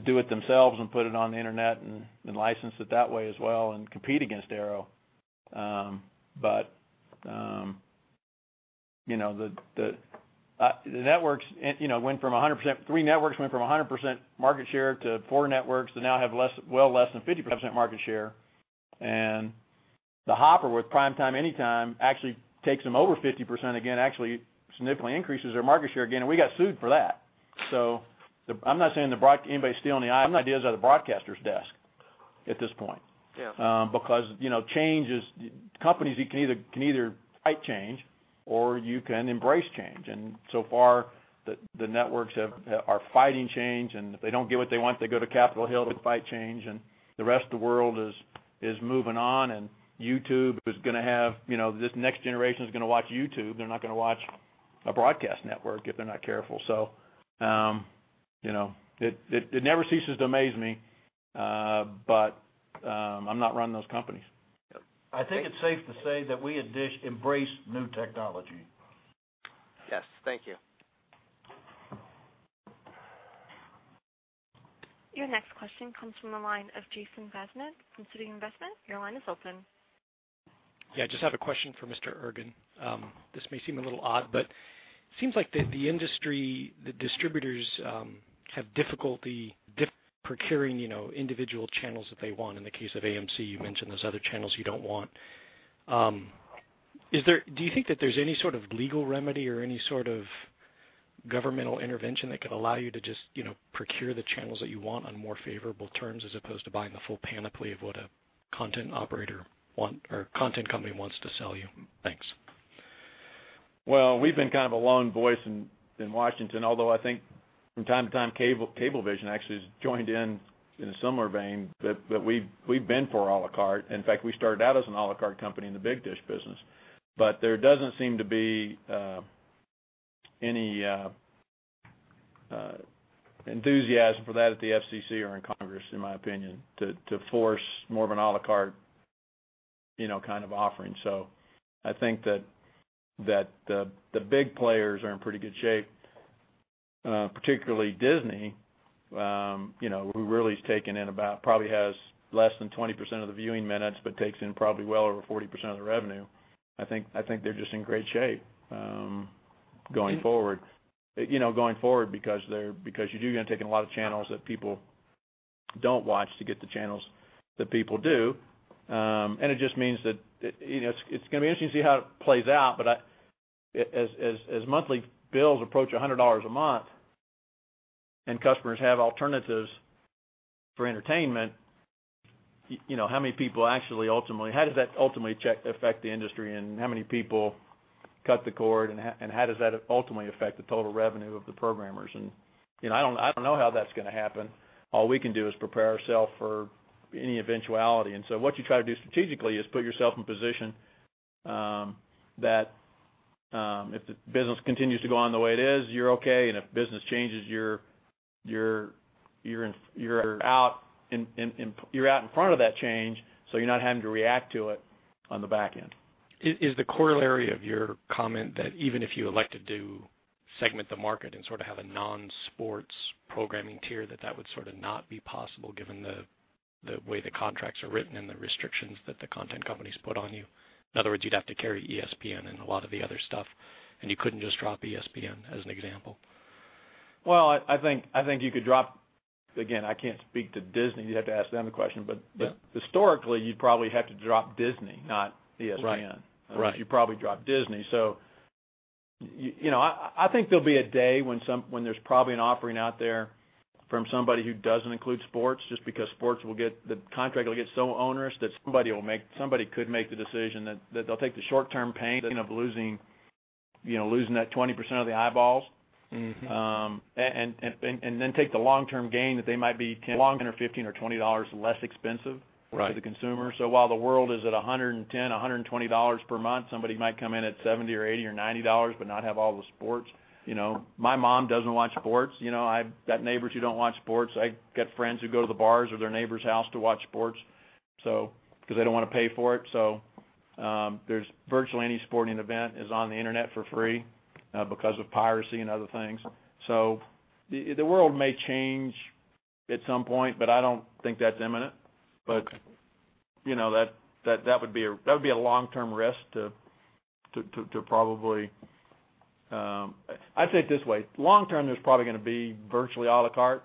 do it themselves and put it on the Internet and license it that way as well and compete against Aereo. You know, the networks, you know, three networks went from 100% market share to four networks that now have less than 50% market share. The Hopper with PrimeTime Anytime actually takes them over 50% again, actually significantly increases their market share again, and we got sued for that. I'm not saying anybody's stealing the ideas on the broadcaster's desk at this point. Yes. Because, you know, change is. Companies can either fight change or you can embrace change. So far, the networks are fighting change, and if they don't get what they want, they go to Capitol Hill to fight change. The rest of the world is moving on, and YouTube is gonna have, you know, this next generation is gonna watch YouTube. They're not gonna watch a broadcast network if they're not careful. You know, it never ceases to amaze me. I'm not running those companies. Yep. I think it's safe to say that we at DISH embrace new technology. Yes. Thank you. Your next question comes from the line of Jason Bazinet from Citi Investment. Your line is open. Yeah, I just have a question for Mr. Ergen. This may seem a little odd, but it seems like the industry, the distributors, have difficulty procuring, you know, individual channels that they want. In the case of AMC, you mentioned those other channels you don't want. Do you think that there's any sort of legal remedy or any sort of governmental intervention that could allow you to just, you know, procure the channels that you want on more favorable terms as opposed to buying the full panoply of what a content operator want or content company wants to sell you? Thanks. We've been kind of a lone voice in Washington, although I think from time to time, Cable, Cablevision actually has joined in in a similar vein, we've been for a la carte. In fact, we started out as an a la carte company in the big dish business. There doesn't seem to be any enthusiasm for that at the FCC or in Congress, in my opinion, to force more of an a la carte, you know, kind of offering. I think that the big players are in pretty good shape, particularly Disney, you know, who really has taken in about, probably has less than 20% of the viewing minutes, but takes in probably well over 40% of the revenue. I think they're just in great shape. Going forward. You know, going forward because you do gonna take in a lot of channels that people don't watch to get the channels that people do. It just means that, you know, it's gonna be interesting to see how it plays out. As monthly bills approach $100 a month and customers have alternatives for entertainment, you know, how many people actually ultimately How does that ultimately affect the industry, and how many people cut the cord, and how does that ultimately affect the total revenue of the programmers? You know, I don't know how that's gonna happen. All we can do is prepare ourself for any eventuality. What you try to do strategically is put yourself in position that if the business continues to go on the way it is, you're okay. If business changes, you're out in front of that change, so you're not having to react to it on the back end. Is the corollary of your comment that even if you elected to segment the market and sort of have a non-sports programming tier that would sort of not be possible given the way the contracts are written and the restrictions that the content companies put on you? In other words, you'd have to carry ESPN and a lot of the other stuff, and you couldn't just drop ESPN, as an example. Well, I think Again, I can't speak to Disney. You'd have to ask them the question. Yeah. Historically, you'd probably have to drop Disney, not ESPN. Right. You'd probably drop Disney. You know, I think there'll be a day when there's probably an offering out there from somebody who doesn't include sports, just because the contract will get so onerous that somebody could make the decision that they'll take the short-term pain, end up losing, you know, losing that 20% of the eyeballs. Take the long-term gain that they might be $10, $15 or $20 less expensive. Right To the consumer. While the world is at $110, $120 per month, somebody might come in at $70 or $80 or $90 but not have all the sports. You know, my mom doesn't watch sports. You know, I've got neighbors who don't watch sports. I got friends who go to the bars or their neighbor's house to watch sports because they don't wanna pay for it. There's virtually any sporting event is on the internet for free because of piracy and other things. The world may change at some point, but I don't think that's imminent. Okay. You know, that would be a long-term risk to probably, I'd say it this way: Long term, there's probably gonna be virtually a la carte.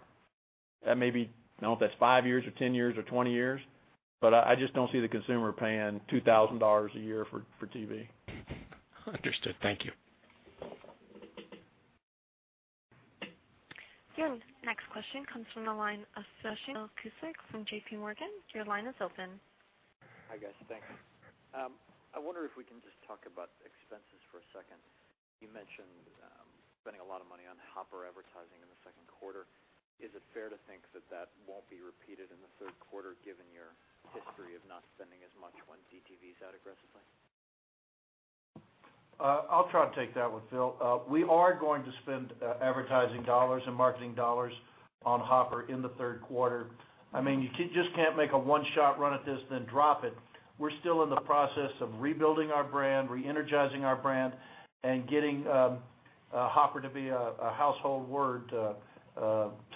That may be, I don't know if that's five years or 10 years or 20 years. I just don't see the consumer paying $2,000 a year for TV. Understood. Thank you. Your next question comes from the line of [Phil Cusick] from JPMorgan. Your line is open. Hi, guys. Thanks. I wonder if we can just talk about expenses for a second. You mentioned spending a lot of money on Hopper advertising in the second quarter. Is it fair to think that that won't be repeated in the third quarter given your history of not spending as much when DTV is out aggressively? I'll try and take that one, Phil. We are going to spend advertising dollars and marketing dollars on Hopper in the third quarter. I mean, you just can't make a one-shot run at this then drop it. We're still in the process of rebuilding our brand, re-energizing our brand, and getting Hopper to be a household word to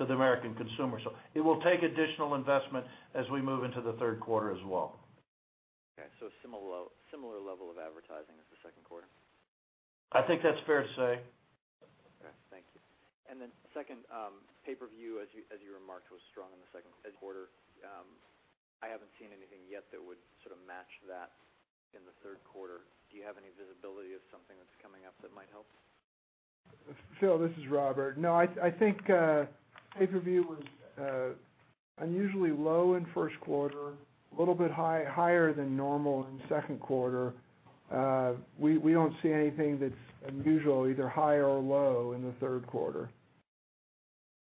the American consumer. It will take additional investment as we move into the third quarter as well. Okay. Similar level of advertising as the second quarter? I think that's fair to say. Okay, thank you. Second, pay-per-view, as you remarked, was strong in the second quarter. I haven't seen anything yet that would sort of match that in the third quarter. Do you have any visibility of something that's coming up that might help? Phil, this is Robert. No, I think pay-per-view was unusually low in first quarter, a little bit higher than normal in second quarter. We don't see anything that's unusual, either high or low, in the third quarter.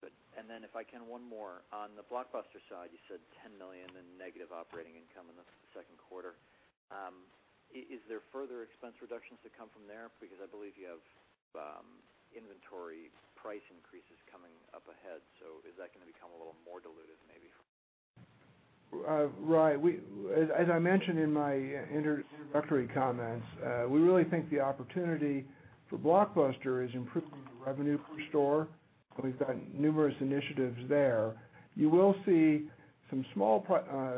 Good. If I can, one more. On the Blockbuster side, you said $10 million in negative operating income in the second quarter. Is there further expense reductions to come from there? Because I believe you have inventory price increases coming up ahead. Is that gonna become a little more diluted maybe? Right. As I mentioned in my introductory comments, we really think the opportunity for Blockbuster is improving the revenue per store. We've got numerous initiatives there. You will see some small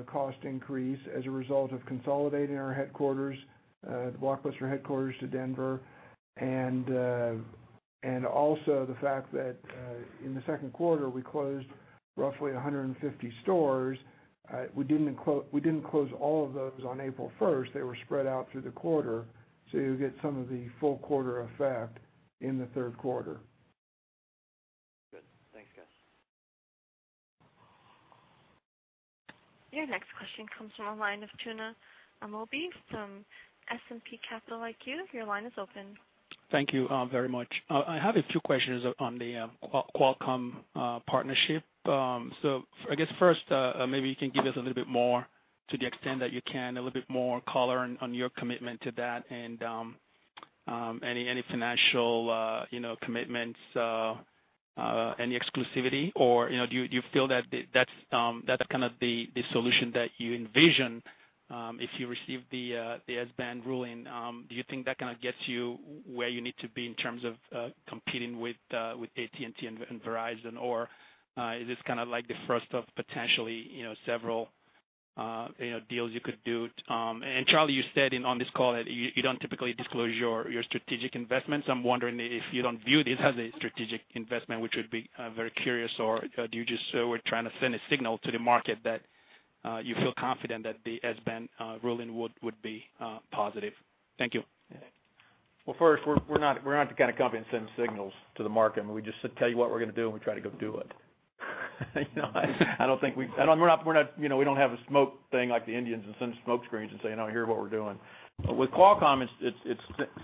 cost increase as a result of consolidating our headquarters, the Blockbuster headquarters to Denver and also the fact that in the second quarter, we closed roughly 150 stores. We didn't close all of those on April 1st. They were spread out through the quarter. You'll get some of the full quarter effect in the third quarter. Good. Thanks, guys. Your next question comes from the line of Tuna Amobi from S&P Capital IQ. Your line is open. Thank you very much. I have a few questions on the Qualcomm partnership. I guess first, maybe you can give us a little bit more, to the extent that you can, a little bit more color on your commitment to that and any financial, you know, commitments, any exclusivity? You know, do you, do you feel that that's kind of the solution that you envision, if you receive the S-band ruling? Do you think that kind of gets you where you need to be in terms of competing with AT&T and Verizon? Is this kind of like the first of potentially, you know, several, you know, deals you could do. Charlie, you stated on this call that you don't typically disclose your strategic investments. I'm wondering if you don't view this as a strategic investment, which would be very curious, or so we're trying to send a signal to the market that you feel confident that the S-band ruling would be positive? Thank you. First, we're not the kind of company that sends signals to the market. I mean, we just tell you what we're gonna do, and we try to go do it. You know, I don't think we We're not You know, we don't have a smoke thing like the Indians and send smoke screens and say, "You know, here's what we're doing." With Qualcomm, it's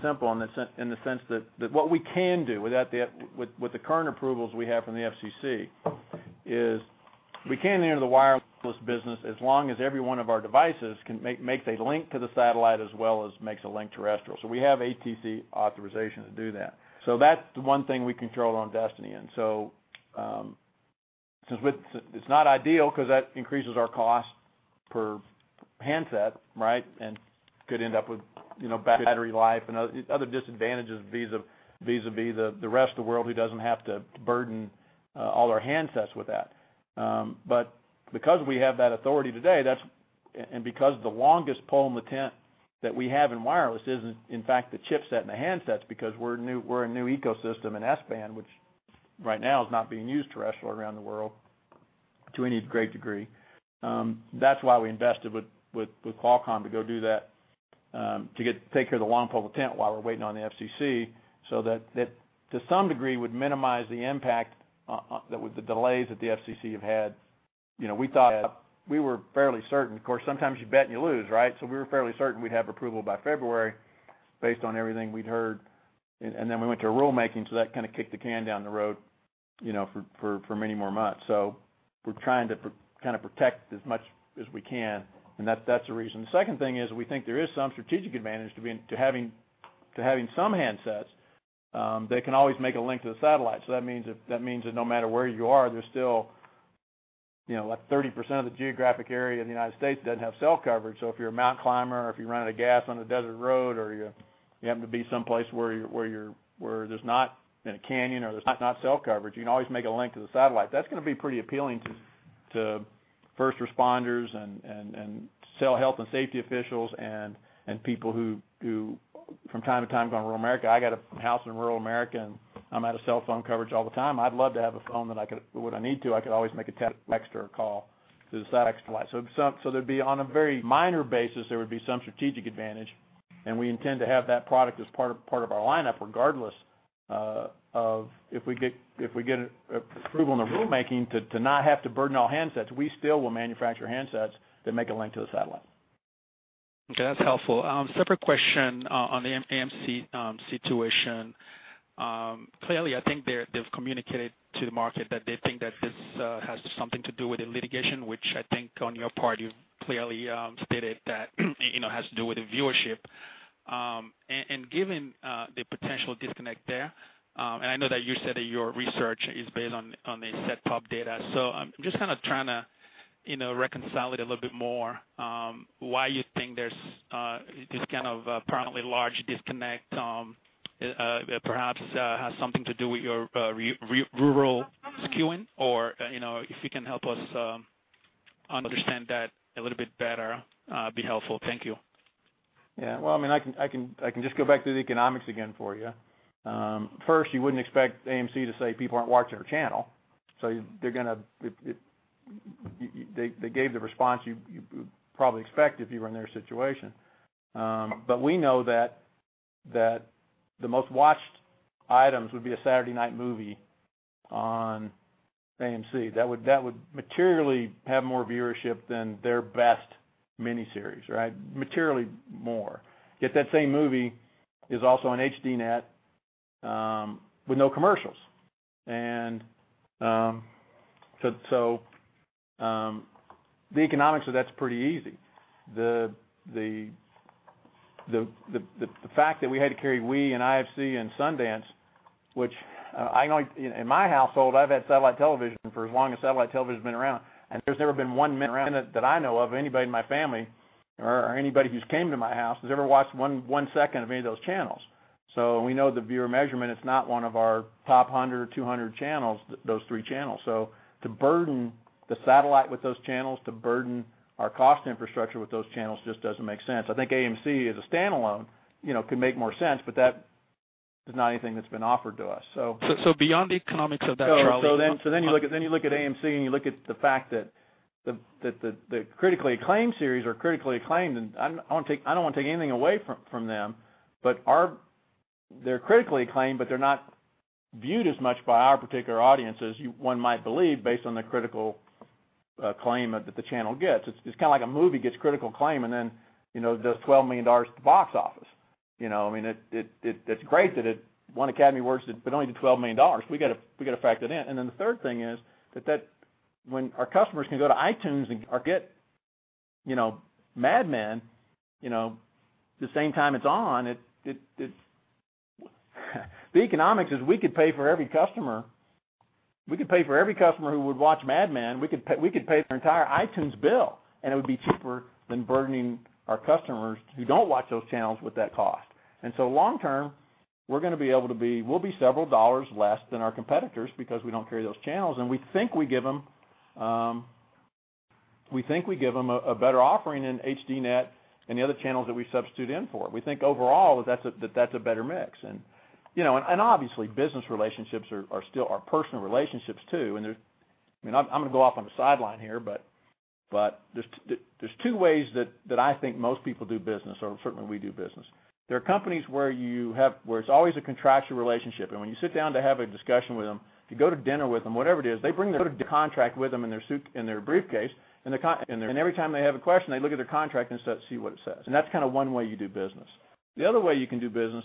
simple in the sense that what we can do with the current approvals we have from the FCC is we can enter the wireless business as long as every one of our devices makes a link to the satellite as well as makes a link terrestrial. We have ATC authorization to do that. That's the one thing we can control our own destiny in. Since it's not ideal because that increases our cost per handset, right? And could end up with, you know, battery life and other disadvantages vis-a-vis the rest of the world who doesn't have to burden all our handsets with that. Because we have that authority today, and because the longest pole in the tent that we have in wireless isn't, in fact, the chipset and the handsets because we're a new, we're a new ecosystem in S-band, which right now is not being used terrestrial around the world to any great degree, that's why we invested with Qualcomm to go do that, to take care of the long pole of the tent while we're waiting on the FCC so that to some degree would minimize the impact, that with the delays that the FCC have had. You know, we thought we were fairly certain. Of course, sometimes you bet and you lose, right? We were fairly certain we'd have approval by February based on everything we'd heard, and then we went to a rulemaking, so that kinda kicked the can down the road for many more months. We're trying to protect as much as we can, and that's the reason. The second thing is we think there is some strategic advantage to having some handsets that can always make a link to the satellite. That means that no matter where you are, there's still 30% of the geographic area in the U.S. doesn't have cell coverage. If you're a mountain climber or if you run out of gas on a desert road or you happen to be someplace where there's not a canyon or there's not cell coverage, you can always make a link to the satellite. That's gonna be pretty appealing to first responders and cell health and safety officials and people who from time to time go in rural America. I got a house in rural America, and I'm out of cell phone coverage all the time. I'd love to have a phone that I could, when I need to, I could always make a text or a call to the satellite. There'd be on a very minor basis, there would be some strategic advantage, and we intend to have that product as part of our lineup regardless of if we get approval in the rulemaking to not have to burden all handsets. We still will manufacture handsets that make a link to the satellite. Okay, that's helpful. Separate question on the AMC situation. Clearly, I think they've communicated to the market that they think that this has something to do with the litigation, which I think on your part, you've clearly stated that, you know, has to do with the viewership. Given the potential disconnect there, and I know that you said that your research is based on the set-top data. I'm just kinda trying to, you know, reconcile it a little bit more, why you think there's this kind of apparently large disconnect, perhaps, has something to do with your rural skewing or, you know, if you can help us understand that a little bit better, be helpful. Thank you. Yeah. Well, I mean, I can just go back to the economics again for you. First, you wouldn't expect AMC to say people aren't watching their channel. They gave the response you probably expect if you were in their situation. We know that the most watched items would be a Saturday night movie on AMC. That would materially have more viewership than their best miniseries, right? Materially more. That same movie is also on HDNet with no commercials. The economics of that's pretty easy. The fact that we had to carry WE and IFC and Sundance, which, in my household, I've had satellite television for as long as satellite television's been around, and there's never been one minute that I know of, anybody in my family or anybody who's came to my house has ever watched one second of any of those channels. We know the viewer measurement. It's not one of our top 100 or 200 channels, those three channels. To burden the satellite with those channels, to burden our cost infrastructure with those channels just doesn't make sense. I think AMC as a standalone, you know, could make more sense, but that is not anything that's been offered to us. Beyond the economics of that, Charlie. You look at AMC, and you look at the fact that the critically acclaimed series are critically acclaimed, and I don't wanna take anything away from them. They're critically acclaimed, but they're not viewed as much by our particular audience as one might believe based on the critical acclaim that the channel gets. It's kinda like a movie gets critical acclaim, and then, you know, does $12 million at the box office, you know. I mean, it's great that it won Academy Awards, but only to $12 million. We gotta factor it in. The third thing is that when our customers can go to iTunes and get, you know, Mad Men, you know, the same time it's on, it The economics is we could pay for every customer who would watch Mad Men. We could pay their entire iTunes bill, and it would be cheaper than burdening our customers who don't watch those channels with that cost. Long term, we'll be several dollars less than our competitors because we don't carry those channels, and we think we give them a better offering in HDNet and the other channels that we substitute in for. We think overall that that's a better mix. You know, and obviously, business relationships are still personal relationships too, and there I mean, I'm gonna go off on a sideline here, but there's two ways that I think most people do business, or certainly we do business. There are companies where you have where it's always a contractual relationship, and when you sit down to have a discussion with them, if you go to dinner with them, whatever it is, they bring their contract with them in their suit in their briefcase, and every time they have a question, they look at their contract instead to see what it says. That's kinda one way you do business. The other way you can do business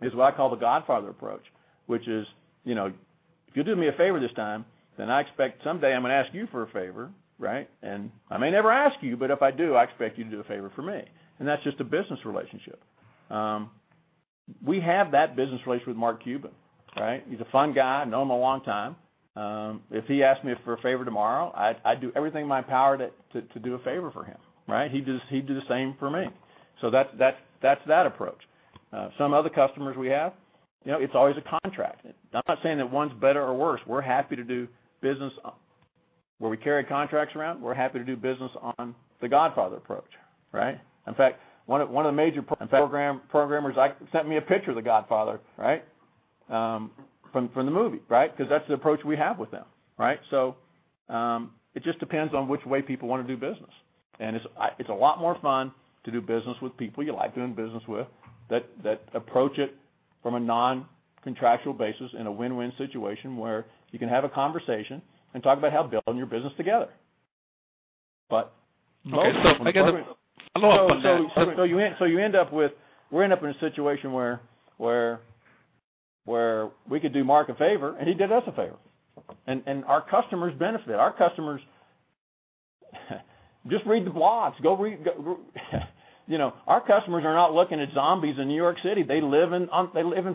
is what I call The Godfather approach, which is, you know, if you do me a favor this time, I expect someday I'm gonna ask you for a favor, right? I may never ask you, if I do, I expect you to do a favor for me. That's just a business relationship. We have that business relationship with Mark Cuban, right? He's a fun guy. I've known him a long time. If he asked me for a favor tomorrow, I'd do everything in my power to do a favor for him, right? He'd do the same for me. That's that approach. Some other customers we have, you know, it's always a contract. I'm not saying that one's better or worse. We're happy to do business where we carry contracts around. We're happy to do business on The Godfather approach. In fact, one of the major programmers sent me a picture of The Godfather. From the movie. 'Cause that's the approach we have with them. It just depends on which way people wanna do business. It's a lot more fun to do business with people you like doing business with that approach it from a non-contractual basis in a win-win situation where you can have a conversation and talk about how building your business together. Okay. You end up with We end up in a situation where we could do Mark a favor, and he did us a favor. Our customers benefit. Our customers. Just read the blogs. Go read, you know, our customers are not looking at zombies in New York City. They live in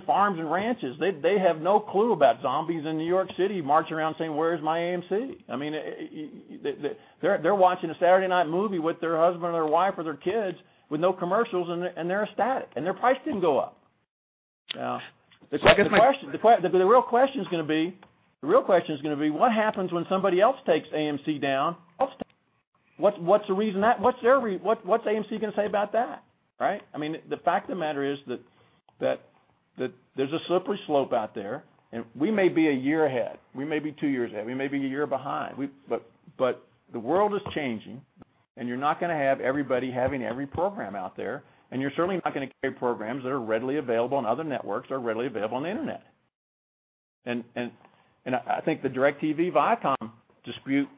farms and ranches. They have no clue about zombies in New York City marching around saying, "Where's my AMC?" I mean, they're watching a Saturday night movie with their husband or their wife or their kids with no commercials, and they're ecstatic, and their price didn't go up. The real question's gonna be: What happens when somebody else takes AMC down? What's AMC gonna say about that, right? I mean, the fact of the matter is that there's a slippery slope out there. We may be one year ahead. We may be two years ahead. We may be one year behind. The world is changing, and you're not gonna have everybody having every program out there, and you're certainly not gonna carry programs that are readily available on other networks or readily available on the internet. I think the DirecTV Viacom dispute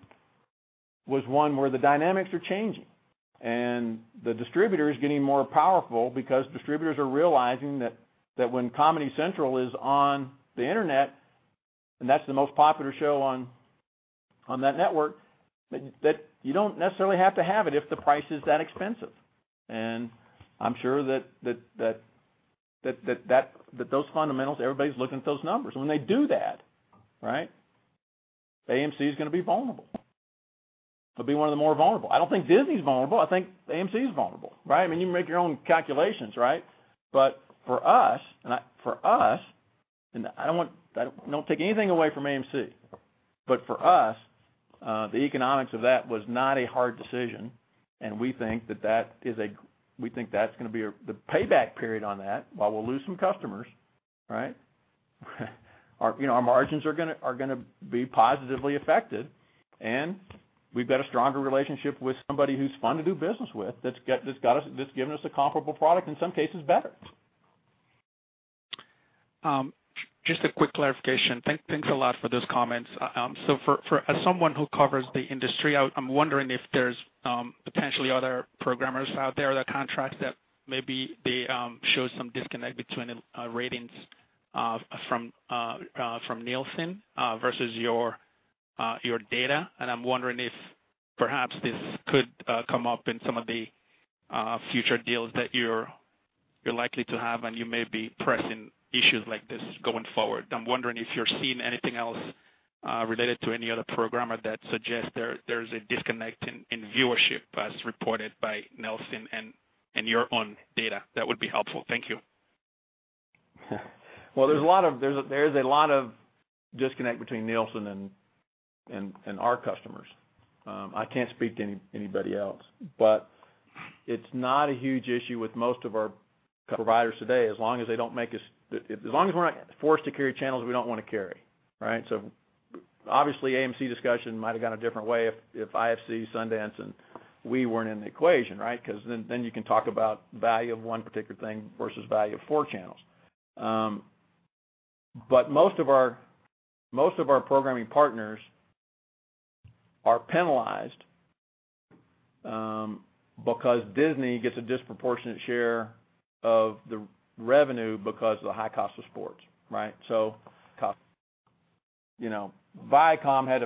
was one where the dynamics are changing, and the distributor is getting more powerful because distributors are realizing that when Comedy Central is on the internet, and that's the most popular show on that network, that you don't necessarily have to have it if the price is that expensive. I'm sure that those fundamentals, everybody's looking at those numbers. When they do that, right, AMC's gonna be vulnerable. It'll be one of the more vulnerable. I don't think Disney's vulnerable. I think AMC is vulnerable, right? I mean, you can make your own calculations, right? For us, I don't want to take anything away from AMC. For us, the economics of that was not a hard decision. We think that's gonna be a. The payback period on that, while we'll lose some customers, right? You know, our margins are gonna be positively affected. We've got a stronger relationship with somebody who's fun to do business with, that's given us a comparable product, in some cases better. Just a quick clarification. Thanks a lot for those comments. As someone who covers the industry, I'm wondering if there's potentially other programmers out there that contracts that maybe they show some disconnect between the ratings from Nielsen versus your data. I'm wondering if perhaps this could come up in some of the future deals that you're likely to have, and you may be pressing issues like this going forward. I'm wondering if you're seeing anything else related to any other programmer that suggests there's a disconnect in viewership as reported by Nielsen and your own data. That would be helpful. Thank you. Well, there's a lot of disconnect between Nielsen and our customers. I can't speak to anybody else. It's not a huge issue with most of our providers today, as long as we're not forced to carry channels we don't wanna carry, right? Obviously, AMC discussion might've gone a different way if IFC, Sundance, and WE weren't in the equation, right? 'Cause then you can talk about value of one particular thing versus value of four channels. Most of our programming partners are penalized because Disney gets a disproportionate share of the revenue because of the high cost of sports, right? Viacom had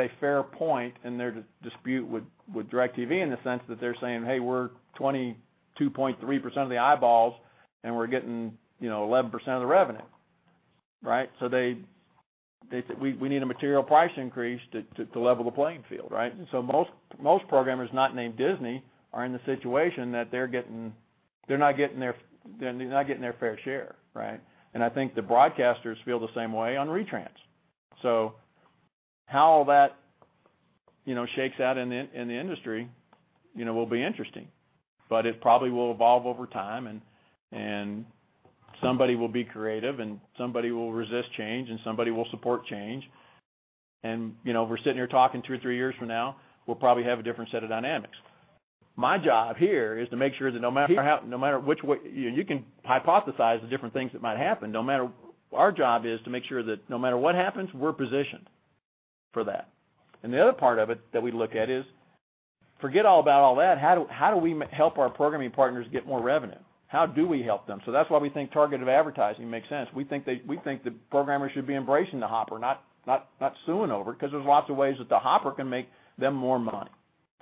a fair point in their dispute with DirecTV in the sense that they're saying, "Hey, we're 22.3% of the eyeballs, and we're getting, you know, 11% of the revenue." Right. They said, "We need a material price increase to level the playing field," right. Most programmers not named Disney are in the situation that they're getting They're not getting their fair share, right. I think the broadcasters feel the same way on retrans. How that, you know, shakes out in the industry, you know, will be interesting. It probably will evolve over time, and somebody will be creative and somebody will resist change and somebody will support change. You know, if we're sitting here talking two or three years from now, we'll probably have a different set of dynamics. My job here is to make sure that. You know, you can hypothesize the different things that might happen. Our job is to make sure that no matter what happens, we're positioned for that. The other part of it that we look at is forget all about all that, how do we help our programming partners get more revenue? How do we help them? That's why we think targeted advertising makes sense. We think the programmers should be embracing the Hopper, not suing over it, 'cause there's lots of ways that the Hopper can make them more money,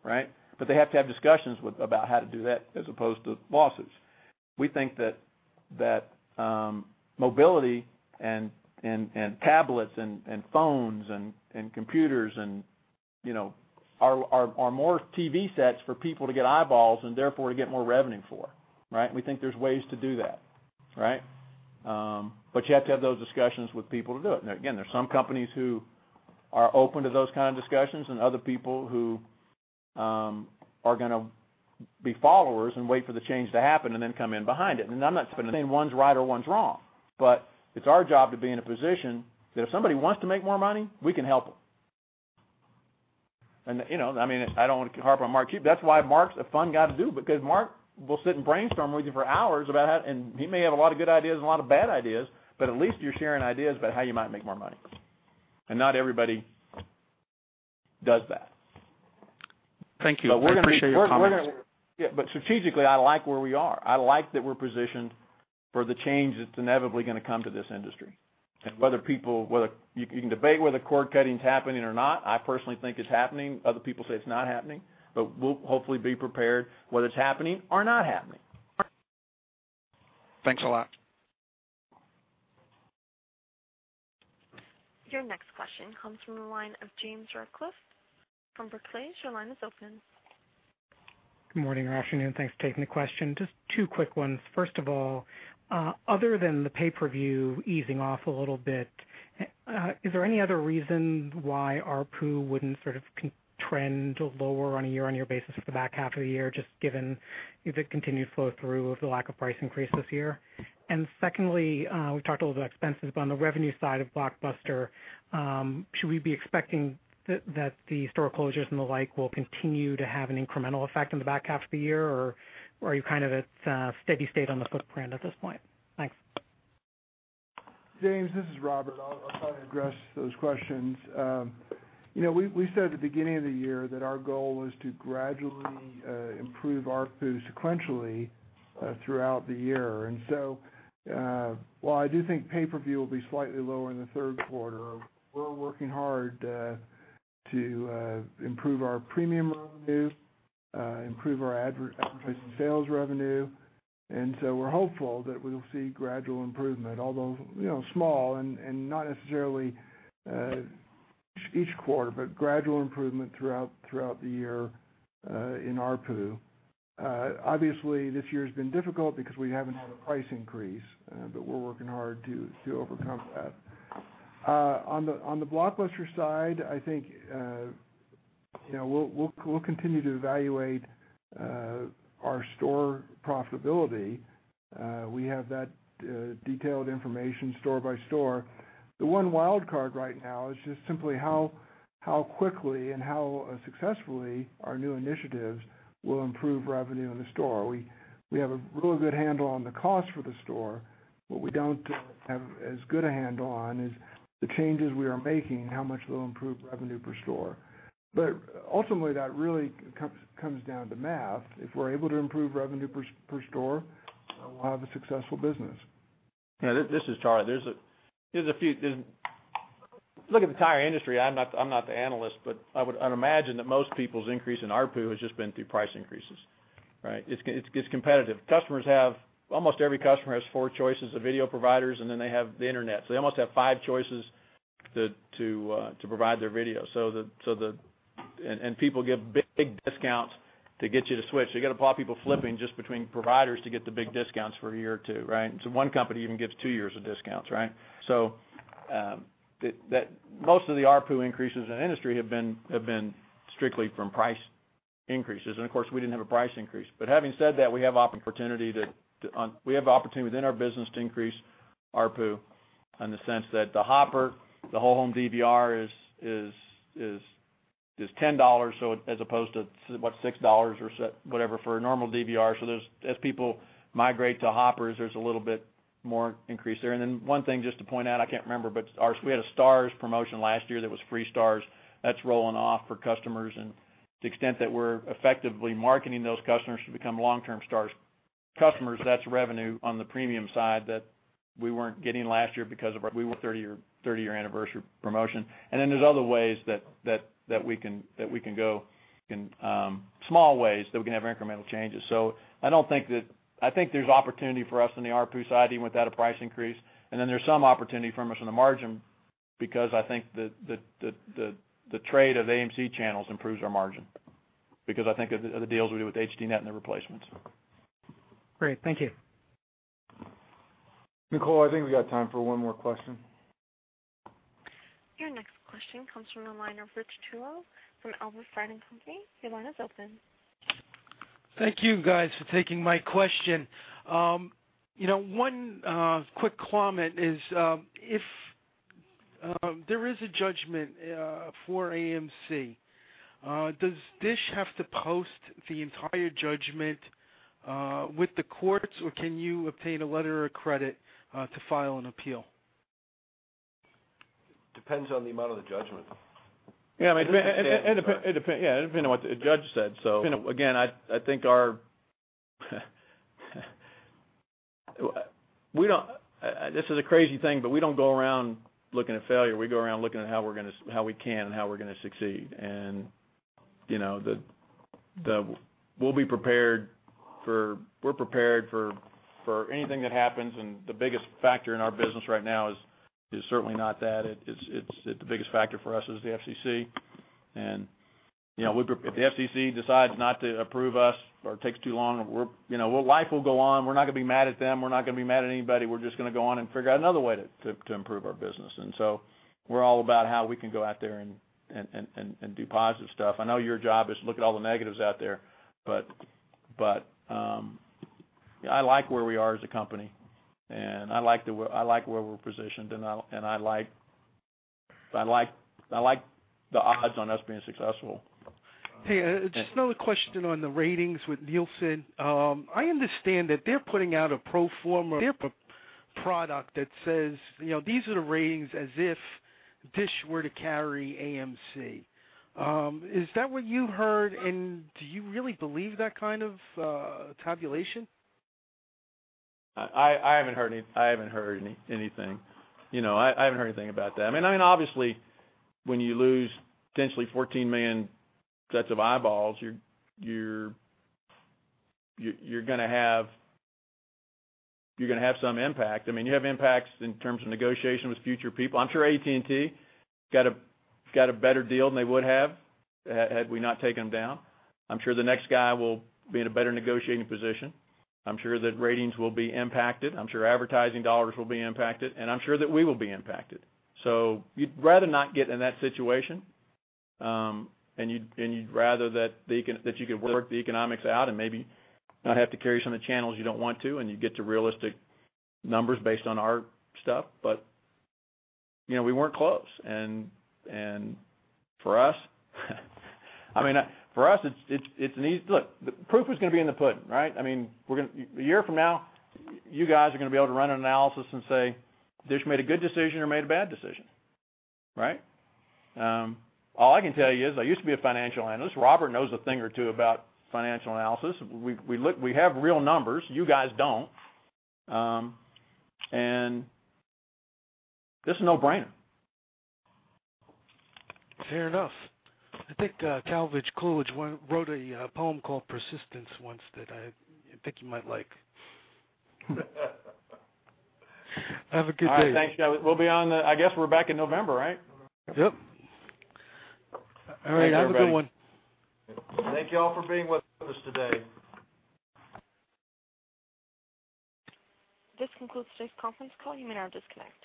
right? They have to have discussions with about how to do that as opposed to losses. We think that mobility and tablets and phones and computers and, you know, are more TV sets for people to get eyeballs and therefore to get more revenue for, right? We think there's ways to do that, right? You have to have those discussions with people to do it. Again, there's some companies who are open to those kind of discussions and other people who are gonna be followers and wait for the change to happen and then come in behind it. I'm not saying one's right or one's wrong, but it's our job to be in a position that if somebody wants to make more money, we can help them. You know, I mean, I don't want to harp on Mark Cuban. That's why Mark's a fun guy to do, because Mark will sit and brainstorm with you for hours about how he may have a lot of good ideas and a lot of bad ideas, but at least you're sharing ideas about how you might make more money, and not everybody does that. Thank you. But we're gonna be- I appreciate your comments. We're gonna Yeah, but strategically, I like where we are. I like that we're positioned for the change that's inevitably gonna come to this industry. Whether people, whether You can debate whether cord-cutting's happening or not. I personally think it's happening. Other people say it's not happening. We'll hopefully be prepared whether it's happening or not happening. Thanks a lot. Your next question comes from the line of James Ratcliffe from Barclays. Good morning or afternoon. Thanks for taking the question. Just two quick ones. First of all, other than the pay-per-view easing off a little bit, is there any other reason why ARPU wouldn't sort of trend lower on a year-on-year basis for the back half of the year, just given if it continues to flow through with the lack of price increase this year? Secondly, we've talked a little about expenses, but on the revenue side of Blockbuster, should we be expecting that the store closures and the like will continue to have an incremental effect on the back half of the year, or are you kind of at steady state on the footprint at this point? Thanks. James, this is Robert. I'll probably address those questions. You know, we said at the beginning of the year that our goal was to gradually improve ARPU sequentially throughout the year. So, while I do think pay-per-view will be slightly lower in the third quarter, we're working hard to improve our premium revenue, improve our advertising sales revenue. So, we're hopeful that we'll see gradual improvement, although, you know, small and not necessarily each quarter, but gradual improvement throughout the year in ARPU. Obviously, this year's been difficult because we haven't had a price increase, but we're working hard to overcome that. On the Blockbuster side, I think, you know, we'll continue to evaluate our store profitability. We have that detailed information store by store. The one wildcard right now is just simply how quickly and how successfully our new initiatives will improve revenue in the store. We have a real good handle on the cost for the store, but we don't have as good a handle on is the changes we are making, how much they'll improve revenue per store. Ultimately, that really comes down to math. If we're able to improve revenue per store, we'll have a successful business. Yeah, this is Charlie. Look at the entire industry. I'm not the analyst, I'd imagine that most people's increase in ARPU has just been through price increases, right? It's competitive. Customers have Almost every customer has four choices of video providers, and then they have the internet, so they almost have five choices to provide their video. People give big discounts to get you to switch. They gotta paw people flipping just between providers to get the big discounts for a year or two, right? One company even gives two years of discounts, right? Most of the ARPU increases in the industry have been strictly from price increases. Of course, we didn't have a price increase. Having said that, we have opportunity within our business to increase ARPU in the sense that the Hopper, the whole home DVR is $10, as opposed to what, $6 or whatever for a normal DVR. There's As people migrate to Hoppers, there's a little bit more increase there. One thing just to point out, I can't remember, but our, we had a Starz promotion last year that was free Starz. That's rolling off for customers and the extent that we're effectively marketing those customers to become long-term Starz customers, that's revenue on the premium side that we weren't getting last year because of our, we were 30-year anniversary promotion. There's other ways that we can go in, small ways that we can have incremental changes. I don't think that I think there's opportunity for us on the ARPU side even without a price increase. There's some opportunity for us on the margin because I think the trade of AMC channels improves our margin because I think of the deals we do with HDNet and the replacements. Great. Thank you. Nicole, I think we got time for one more question. Your next question comes from the line of Richard Tullo from Albert Fried & Company. Your line is open. Thank you guys for taking my question. You know, one quick comment is, if there is a judgment for AMC, does DISH have to post the entire judgment with the courts, or can you obtain a letter of credit to file an appeal? Depends on the amount of the judgment. Yeah, I mean, it depends. Yeah, it depends on what the judge said. Again, I think we don't. This is a crazy thing, we don't go around looking at failure. We go around looking at how we can and how we're gonna succeed. You know, we're prepared for anything that happens, the biggest factor in our business right now is certainly not that. The biggest factor for us is the FCC. You know, if the FCC decides not to approve us or takes too long, you know, life will go on. We're not gonna be mad at them. We're not gonna be mad at anybody. We're just gonna go on and figure out another way to improve our business. We're all about how we can go out there and do positive stuff. I know your job is to look at all the negatives out there, but I like where we are as a company, and I like where we're positioned, and I like the odds on us being successful. Just another question on the ratings with Nielsen. I understand that they're putting out a pro forma product that says, you know, these are the ratings as if DISH were to carry AMC. Is that what you heard, and do you really believe that kind of tabulation? I haven't heard anything. You know, I haven't heard anything about that. I mean, obviously, when you lose potentially 14 million sets of eyeballs, you're gonna have some impact. I mean, you have impacts in terms of negotiation with future people. I'm sure AT&T got a better deal than they would have had we not taken them down. I'm sure the next guy will be in a better negotiating position. I'm sure that ratings will be impacted. I'm sure advertising dollars will be impacted. I'm sure that we will be impacted. You'd rather not get in that situation, and you'd rather that you could work the economics out and maybe not have to carry some of the channels you don't want to, and you get to realistic numbers based on our stuff. You know, we weren't close. For us, I mean, for us, it's look, the proof is gonna be in the pudding, right? I mean, a year from now, you guys are gonna be able to run an analysis and say, "DISH made a good decision or made a bad decision," right? All I can tell you is I used to be a financial analyst. Robert knows a thing or two about financial analysis. We have real numbers. You guys don't. This is a no-brainer. Fair enough. I think Calvin Coolidge wrote a poem called Persistence once that I think you might like. Have a good day. All right. Thanks, Rich. We'll be on the I guess we're back in November, right? Yep. All right. Thank you, everybody. Have a good one. Thank you all for being with us today. This concludes today's conference call. You may now disconnect.